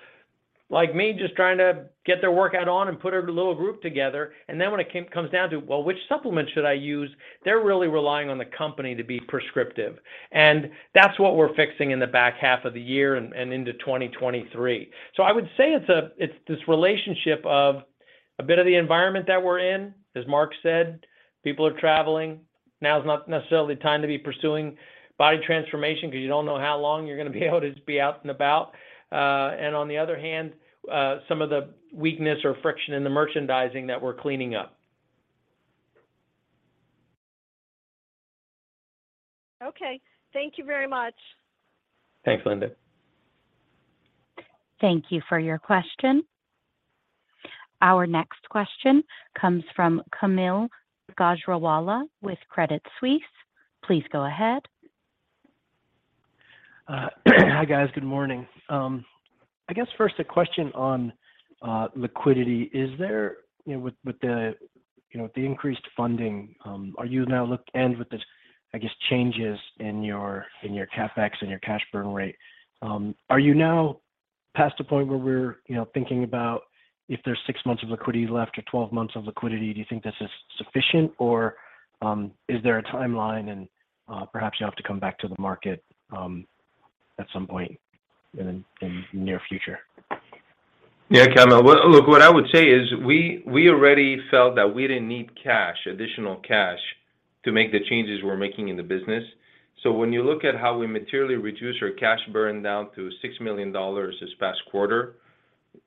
like me, just trying to get their workout on and put a little group together. Then when it comes down to, well, which supplement should I use, they're really relying on the company to be prescriptive. That's what we're fixing in the back half of the year and into 2023. I would say it's this relationship of a bit of the environment that we're in, as Marc said, people are traveling. Now is not necessarily the time to be pursuing body transformation because you don't know how long you're gonna be able to be out and about. On the other hand, some of the weakness or friction in the merchandising that we're cleaning up. Okay. Thank you very much. Thanks, Linda. Thank you for your question. Our next question comes from Kaumil Gajrawala with Credit Suisse. Please go ahead. Hi, guys. Good morning. I guess first a question on liquidity. Is there, you know, with the increased funding, are you now and with the, I guess, changes in your CapEx and your cash burn rate, are you now past the point where we're, you know, thinking about if there's six months of liquidity left or 12 months of liquidity? Do you think this is sufficient? Or, is there a timeline and perhaps you have to come back to the market at some point in the near future? Yeah, Kaumil. Well, look, what I would say is we already felt that we didn't need cash, additional cash, to make the changes we're making in the business. So when you look at how we materially reduced our cash burn down to $6 million this past quarter,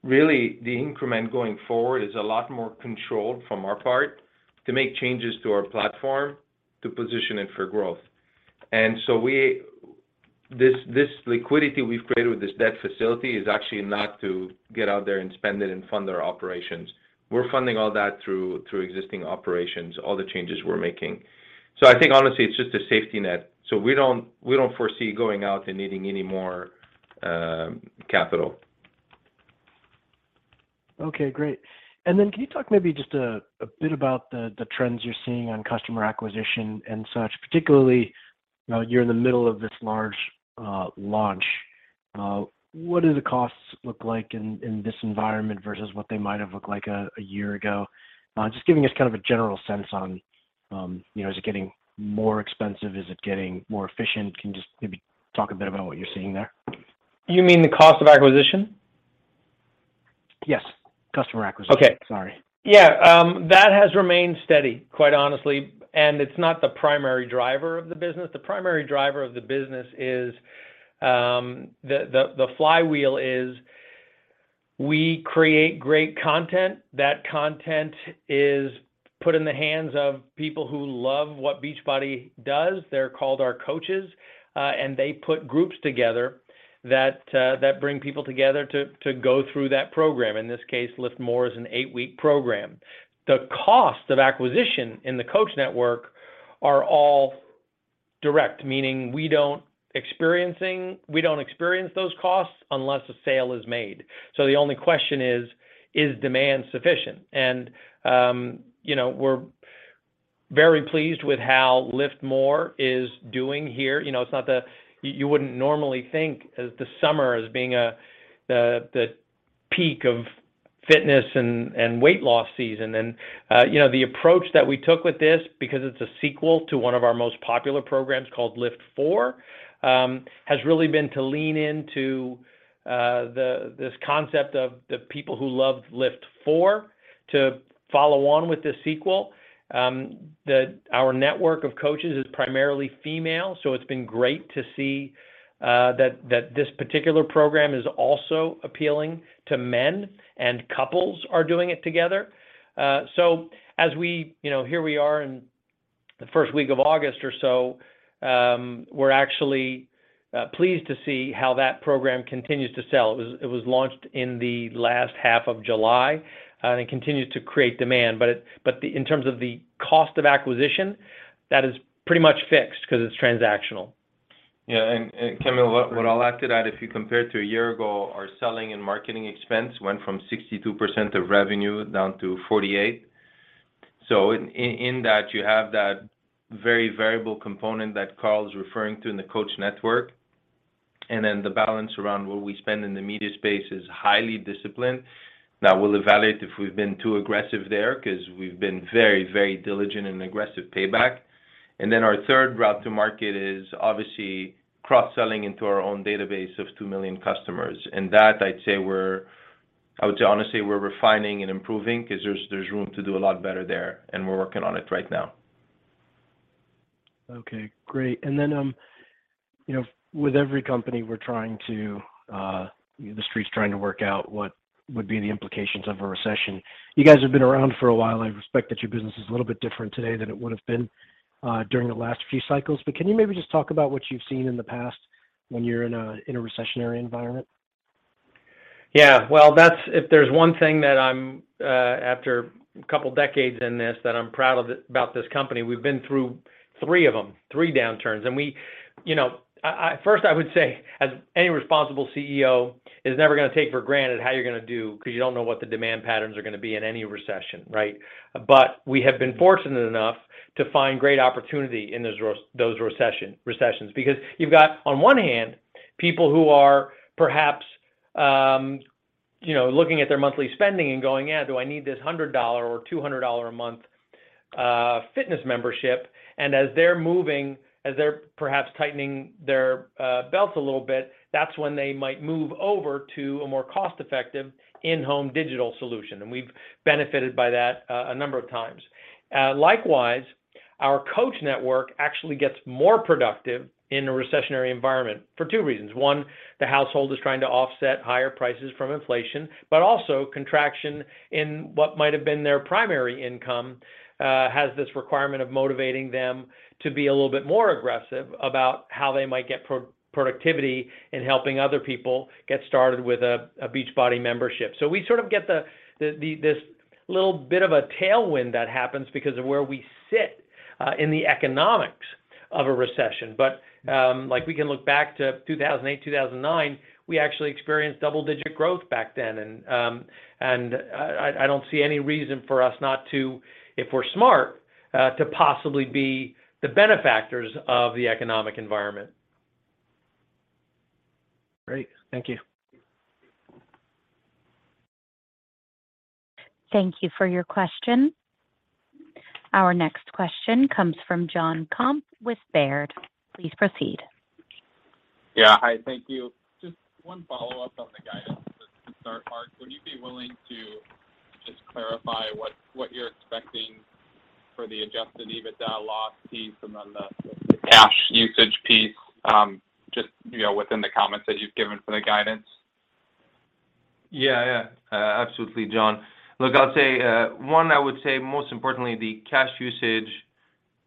really the increment going forward is a lot more controlled from our part to make changes to our platform to position it for growth. This liquidity we've created with this debt facility is actually not to get out there and spend it and fund our operations. We're funding all that through existing operations, all the changes we're making. So I think honestly, it's just a safety net. So we don't foresee going out and needing any more capital. Okay, great. Can you talk maybe just a bit about the trends you're seeing on customer acquisition and such, particularly, you know, you're in the middle of this large launch. What do the costs look like in this environment versus what they might have looked like a year ago? Just giving us kind of a general sense on, you know, is it getting more expensive? Is it getting more efficient? Can you just maybe talk a bit about what you're seeing there? You mean the cost of acquisition? Yes. Customer acquisition. Okay. Sorry. Yeah. That has remained steady, quite honestly. It's not the primary driver of the business. The primary driver of the business is the flywheel is we create great content. That content is put in the hands of people who love what Beachbody does. They're called our coaches, and they put groups together that bring people together to go through that program. In this case, LIIFT MORE is an eight-week program. The cost of acquisition in the coach network are all direct, meaning we don't experience those costs unless a sale is made. The only question is demand sufficient? You know, we're very pleased with how LIIFT MORE is doing here. You know, it's not the You wouldn't normally think of the summer as being the peak of fitness and weight loss season. The approach that we took with this, because it's a sequel to one of our most popular programs called LIIFT4, has really been to lean into this concept of the people who loved LIIFT4 to follow on with this sequel. Our network of coaches is primarily female, so it's been great to see that this particular program is also appealing to men, and couples are doing it together. Here we are in the first week of August or so, we're actually pleased to see how that program continues to sell. It was launched in the last half of July and continues to create demand. In terms of the cost of acquisition, that is pretty much fixed because it's transactional. Yeah. Kamil, what I'll add to that, if you compare it to a year ago, our selling and marketing expense went from 62% of revenue down to 48%. In that, you have that very variable component that Carl's referring to in the coach network, and then the balance around what we spend in the media space is highly disciplined. We'll evaluate if we've been too aggressive there because we've been very, very diligent in aggressive payback. Our third route to market is obviously cross-selling into our own database of 2 million customers. That I would honestly say we're refining and improving because there's room to do a lot better there, and we're working on it right now. Okay, great. Then you know, with every company, we're trying to, the Street's trying to work out what would be the implications of a recession. You guys have been around for a while. I respect that your business is a little bit different today than it would have been during the last few cycles. Can you maybe just talk about what you've seen in the past when you're in a recessionary environment? Yeah. Well, that's if there's one thing that I'm after a couple decades in this that I'm proud of about this company. We've been through three downturns. First I would say, as any responsible CEO is never gonna take for granted how you're gonna do, because you don't know what the demand patterns are gonna be in any recession, right? We have been fortunate enough to find great opportunity in those recessions. Because you've got, on one hand, people who are perhaps looking at their monthly spending and going, "Eh, do I need this $100 or $200 a month fitness membership?" As they're moving, as they're perhaps tightening their belts a little bit, that's when they might move over to a more cost-effective in-home digital solution. We've benefited by that a number of times. Likewise, our coach network actually gets more productive in a recessionary environment for two reasons. One, the household is trying to offset higher prices from inflation, but also contraction in what might have been their primary income has this requirement of motivating them to be a little bit more aggressive about how they might get productivity in helping other people get started with a Beachbody membership. We sort of get this little bit of a tailwind that happens because of where we sit in the economics of a recession. Like we can look back to 2008, 2009, we actually experienced double-digit growth back then. I don't see any reason for us not to, if we're smart, to possibly be the benefactors of the economic environment. Great. Thank you. Thank you for your question. Our next question comes from Jon Komp with Baird. Please proceed. Yeah. Hi. Thank you. Just one follow-up on the guidance to start, Marc. Would you be willing to just clarify what you're expecting for the adjusted EBITDA loss piece and then the cash usage piece, just, you know, within the comments that you've given for the guidance? Yeah. Yeah. Absolutely, Jon. Look, I'll say one, I would say most importantly, the cash usage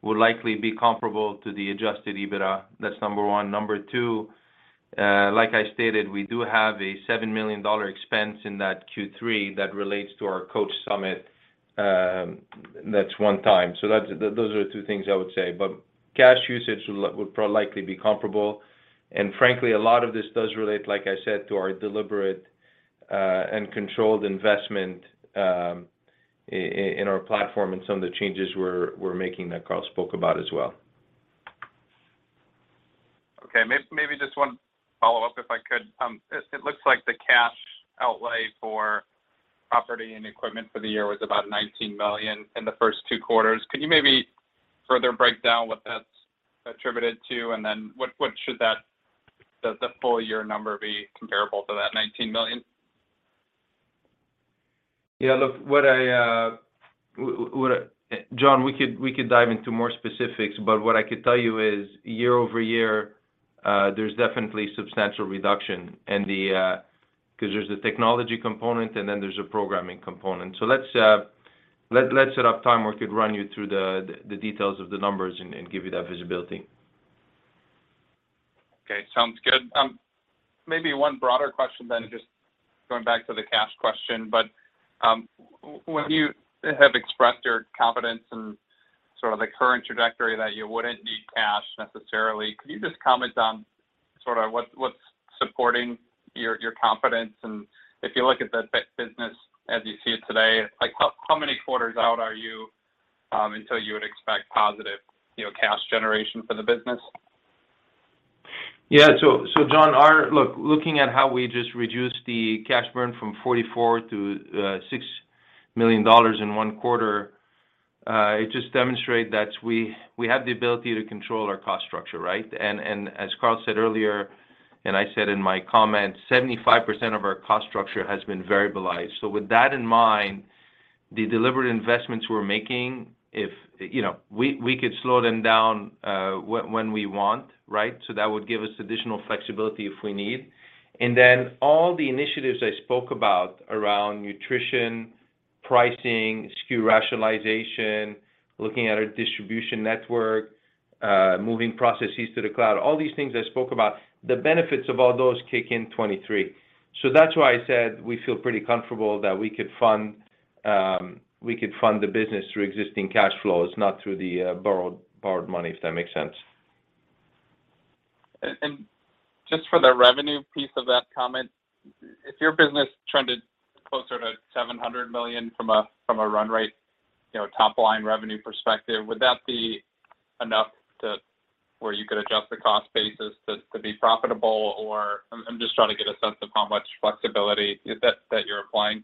will likely be comparable to the adjusted EBITDA. That's number one. Number two, like I stated, we do have a $7 million expense in that Q3 that relates to our Coach Summit, that's one time. Those are the two things I would say. Cash usage will likely be comparable. Frankly, a lot of this does relate, like I said, to our deliberate and controlled investment in our platform and some of the changes we're making that Carl spoke about as well. Okay. Maybe just one follow-up, if I could. It looks like the cash outlay for property and equipment for the year was about $19 million in the first two quarters. Could you maybe further break down what that's attributed to, and then what does the full year number be comparable to that $19 million? Yeah, look, Jon, we could dive into more specifics, but what I could tell you is year-over-year, there's definitely substantial reduction. 'Cause there's the technology component, and then there's a programming component. Let's set up time where we could run you through the details of the numbers and give you that visibility. Okay. Sounds good. Maybe one broader question then, just going back to the cash question. When you have expressed your confidence in sort of the current trajectory that you wouldn't need cash necessarily, could you just comment on sort of what's supporting your confidence? If you look at the business as you see it today, like how many quarters out are you until you would expect positive, you know, cash generation for the business? So Jon, looking at how we just reduced the cash burn from $44 million to $6 million in one quarter, it just demonstrate that we have the ability to control our cost structure, right? As Carl said earlier, and I said in my comments, 75% of our cost structure has been variabilized. With that in mind, the deliberate investments we're making, you know, we could slow them down when we want, right? That would give us additional flexibility if we need. All the initiatives I spoke about around nutrition, pricing, SKU rationalization, looking at our distribution network, moving processes to the cloud, all these things I spoke about, the benefits of all those kick in 2023. That's why I said we feel pretty comfortable that we could fund the business through existing cash flows, not through the borrowed money, if that makes sense. Just for the revenue piece of that comment, if your business trended closer to $700 million from a run rate, you know, top line revenue perspective, would that be enough to where you could adjust the cost basis to be profitable or. I'm just trying to get a sense of how much flexibility that you're applying.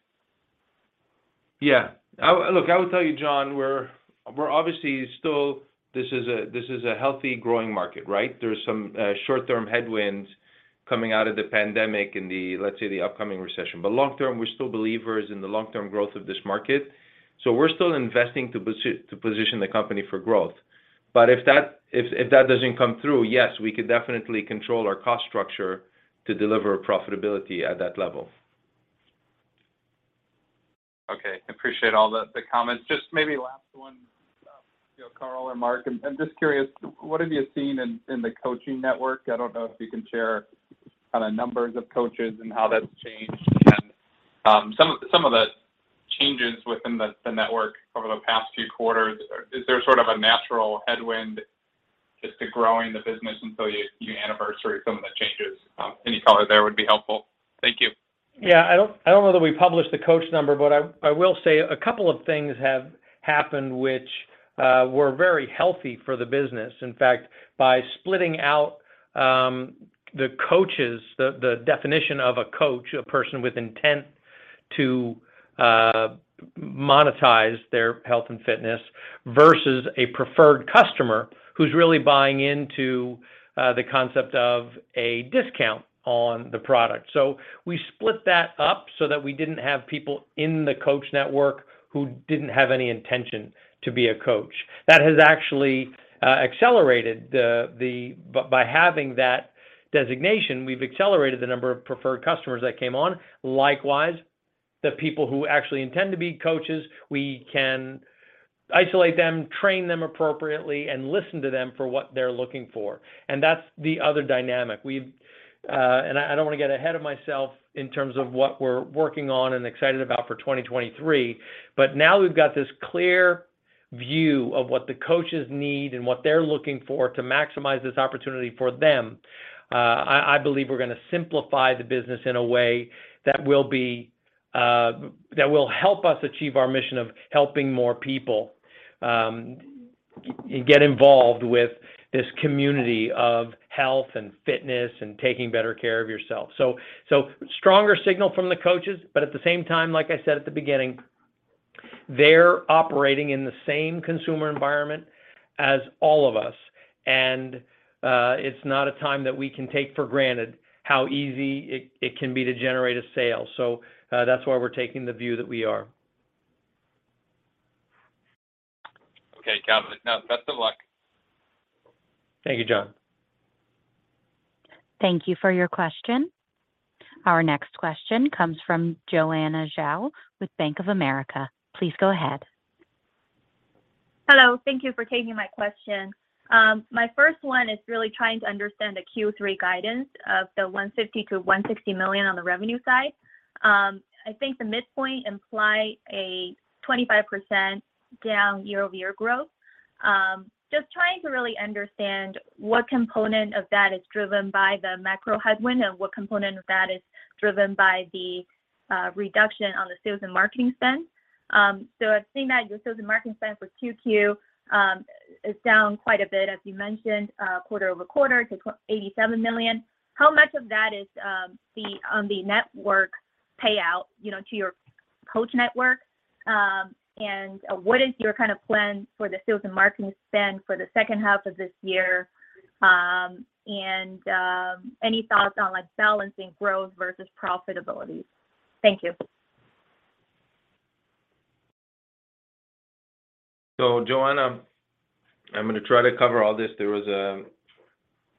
Yeah. I will tell you, Jon, we're obviously still this is a healthy growing market, right? There are some short-term headwinds coming out of the pandemic and the, let's say, the upcoming recession. Long term, we're still believers in the long-term growth of this market. We're still investing to position the company for growth. If that doesn't come through, yes, we could definitely control our cost structure to deliver profitability at that level. Okay. Appreciate all the comments. Just maybe last one, you know, Carl or Marc, I'm just curious, what have you seen in the coaching network? I don't know if you can share kinda numbers of coaches and how that's changed and some of the changes within the network over the past few quarters. Is there sort of a natural headwind just to growing the business until you anniversary some of the changes? Any color there would be helpful. Thank you. Yeah. I don't know that we published the coach number, but I will say a couple of things have happened which were very healthy for the business. In fact, by splitting out the coaches, the definition of a coach, a person with intent to monetize their health and fitness versus a preferred customer who's really buying into the concept of a discount on the product. So we split that up so that we didn't have people in the coach network who didn't have any intention to be a coach. That has actually accelerated. By having that designation, we've accelerated the number of preferred customers that came on. Likewise, the people who actually intend to be coaches, we can isolate them, train them appropriately, and listen to them for what they're looking for. That's the other dynamic. I don't wanna get ahead of myself in terms of what we're working on and excited about for 2023, but now we've got this clear view of what the coaches need and what they're looking for to maximize this opportunity for them. I believe we're gonna simplify the business in a way that will help us achieve our mission of helping more people get involved with this community of health and fitness and taking better care of yourself. Stronger signal from the coaches, but at the same time, like I said at the beginning, they're operating in the same consumer environment as all of us. It's not a time that we can take for granted how easy it can be to generate a sale. That's why we're taking the view that we are. Okay, guys. Now best of luck. Thank you, Jon. Thank you for your question. Our next question comes from Joanna Zhao with Bank of America. Please go ahead. Hello. Thank you for taking my question. My first one is really trying to understand the Q3 guidance of $150 million-$160 million on the revenue side. I think the midpoint imply a 25% down year-over-year growth. Just trying to really understand what component of that is driven by the macro headwind and what component of that is driven by the reduction on the sales and marketing spend. I've seen that your sales and marketing spend for Q2 is down quite a bit, as you mentioned, quarter-over-quarter to $87 million. How much of that is the network payout, you know, to your coach network? And what is your kind of plan for the sales and marketing spend for the second half of this year? Any thoughts on, like, balancing growth versus profitability? Thank you. Joanna, I'm gonna try to cover all this. There was a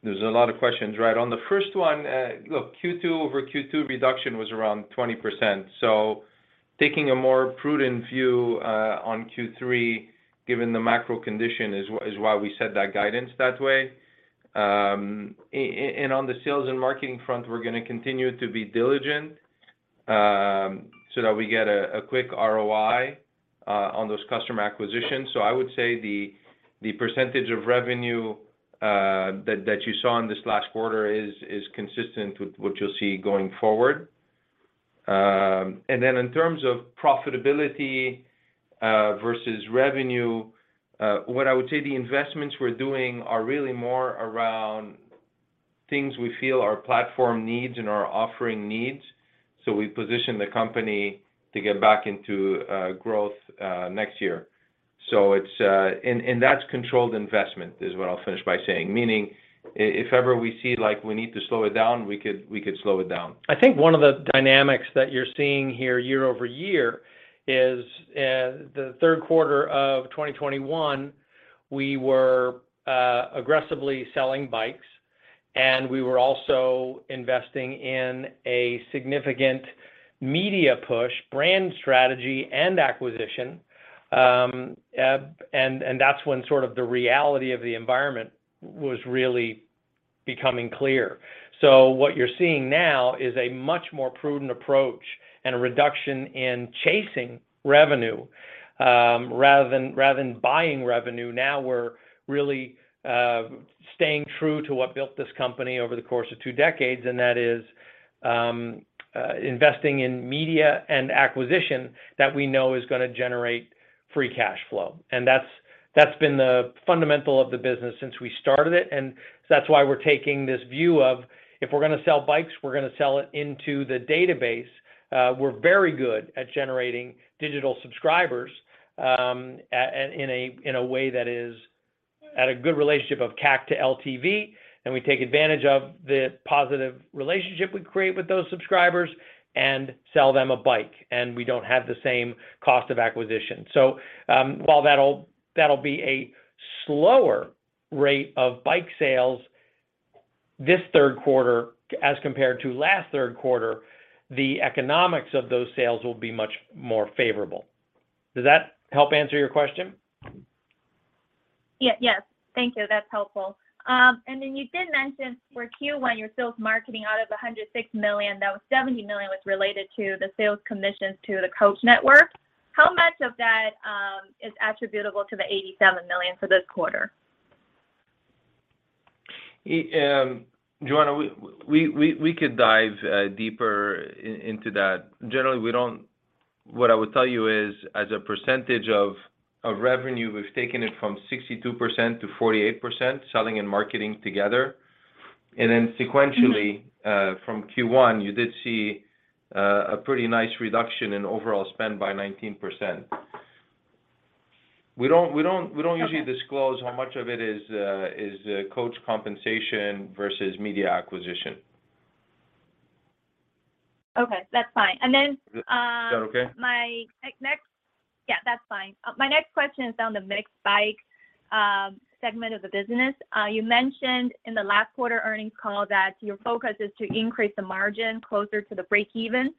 lot of questions, right? On the first one, look, Q2-over-Q2 reduction was around 20%. Taking a more prudent view on Q3, given the macro condition is why we set that guidance that way. On the sales and marketing front, we're gonna continue to be diligent, so that we get a quick ROI on those customer acquisitions. I would say the percentage of revenue that you saw in this last quarter is consistent with what you'll see going forward. Then in terms of profitability versus revenue, what I would say the investments we're doing are really more around things we feel our platform needs and our offering needs, so we position the company to get back into growth next year. It's controlled investment, is what I'll finish by saying. Meaning if ever we see, like, we need to slow it down, we could slow it down. I think one of the dynamics that you're seeing here year-over-year is the third quarter of 2021, we were aggressively selling bikes and we were also investing in a significant media push, brand strategy and acquisition. That's when sort of the reality of the environment was really becoming clear. What you're seeing now is a much more prudent approach and a reduction in chasing revenue rather than buying revenue. Now we're really staying true to what built this company over the course of two decades, and that is investing in media and acquisition that we know is gonna generate free cash flow. That's been the fundamental of the business since we started it, and so that's why we're taking this view of, if we're gonna sell bikes, we're gonna sell it into the database. We're very good at generating digital subscribers in a way that is at a good relationship of CAC to LTV. We take advantage of the positive relationship we create with those subscribers and sell them a bike, and we don't have the same cost of acquisition. While that'll be a slower rate of bike sales this third quarter as compared to last third quarter, the economics of those sales will be much more favorable. Does that help answer your question? Yes. Thank you. That's helpful. Then you did mention for Q1, your sales and marketing out of the $106 million, that was $70 million was related to the sales commissions to the coach network. How much of that is attributable to the $87 million for this quarter? Joanna, we could dive deeper into that. Generally, we don't. What I would tell you is, as a percentage of revenue, we've taken it from 62% to 48%, selling and marketing together. Then sequentially- Mm-hmm. From Q1, you did see a pretty nice reduction in overall spend by 19%. We don't usually disclose how much of it is coach compensation versus media acquisition. Okay, that's fine. Is that okay? Yeah, that's fine. My next question is on the MYX bike segment of the business. You mentioned in the last quarter earnings call that your focus is to increase the margin closer to the breakeven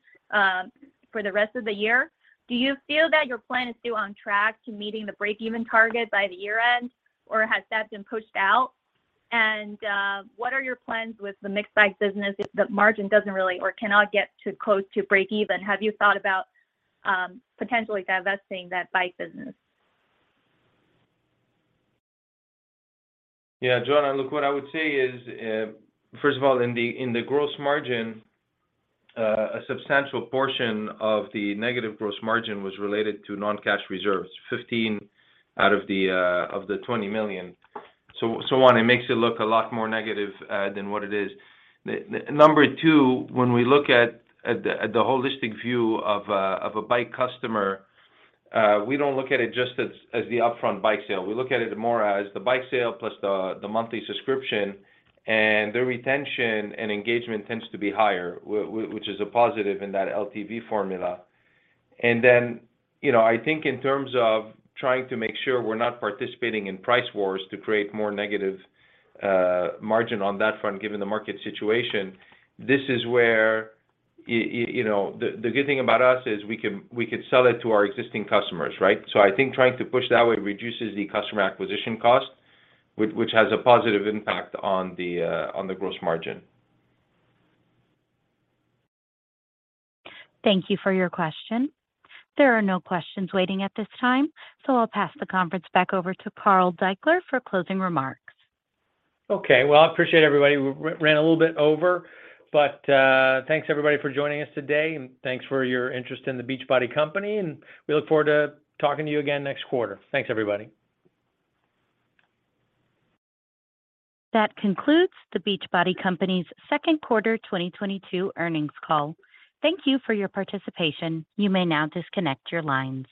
for the rest of the year. Do you feel that your plan is still on track to meeting the breakeven target by the year-end, or has that been pushed out? What are your plans with the MYX bike business if the margin doesn't really or cannot get close to breakeven? Have you thought about potentially divesting that bike business? Yeah, Joanna, look, what I would say is, first of all, in the gross margin, a substantial portion of the negative gross margin was related to non-cash reserves, $15 million out of the $20 million. So on, it makes it look a lot more negative than what it is. Number two, when we look at the holistic view of a bike customer, we don't look at it just as the upfront bike sale. We look at it more as the bike sale plus the monthly subscription, and the retention and engagement tends to be higher, which is a positive in that LTV formula. You know, I think in terms of trying to make sure we're not participating in price wars to create more negative margin on that front given the market situation, this is where you know. The good thing about us is we can, we could sell it to our existing customers, right? I think trying to push that way reduces the customer acquisition cost, which has a positive impact on the gross margin. Thank you for your question. There are no questions waiting at this time, so I'll pass the conference back over to Carl Daikeler for closing remarks. Okay. Well, I appreciate everybody. We ran a little bit over, but thanks everybody for joining us today, and thanks for your interest in The Beachbody Company, and we look forward to talking to you again next quarter. Thanks, everybody. That concludes The Beachbody Company's second quarter 2022 earnings call. Thank you for your participation. You may now disconnect your lines.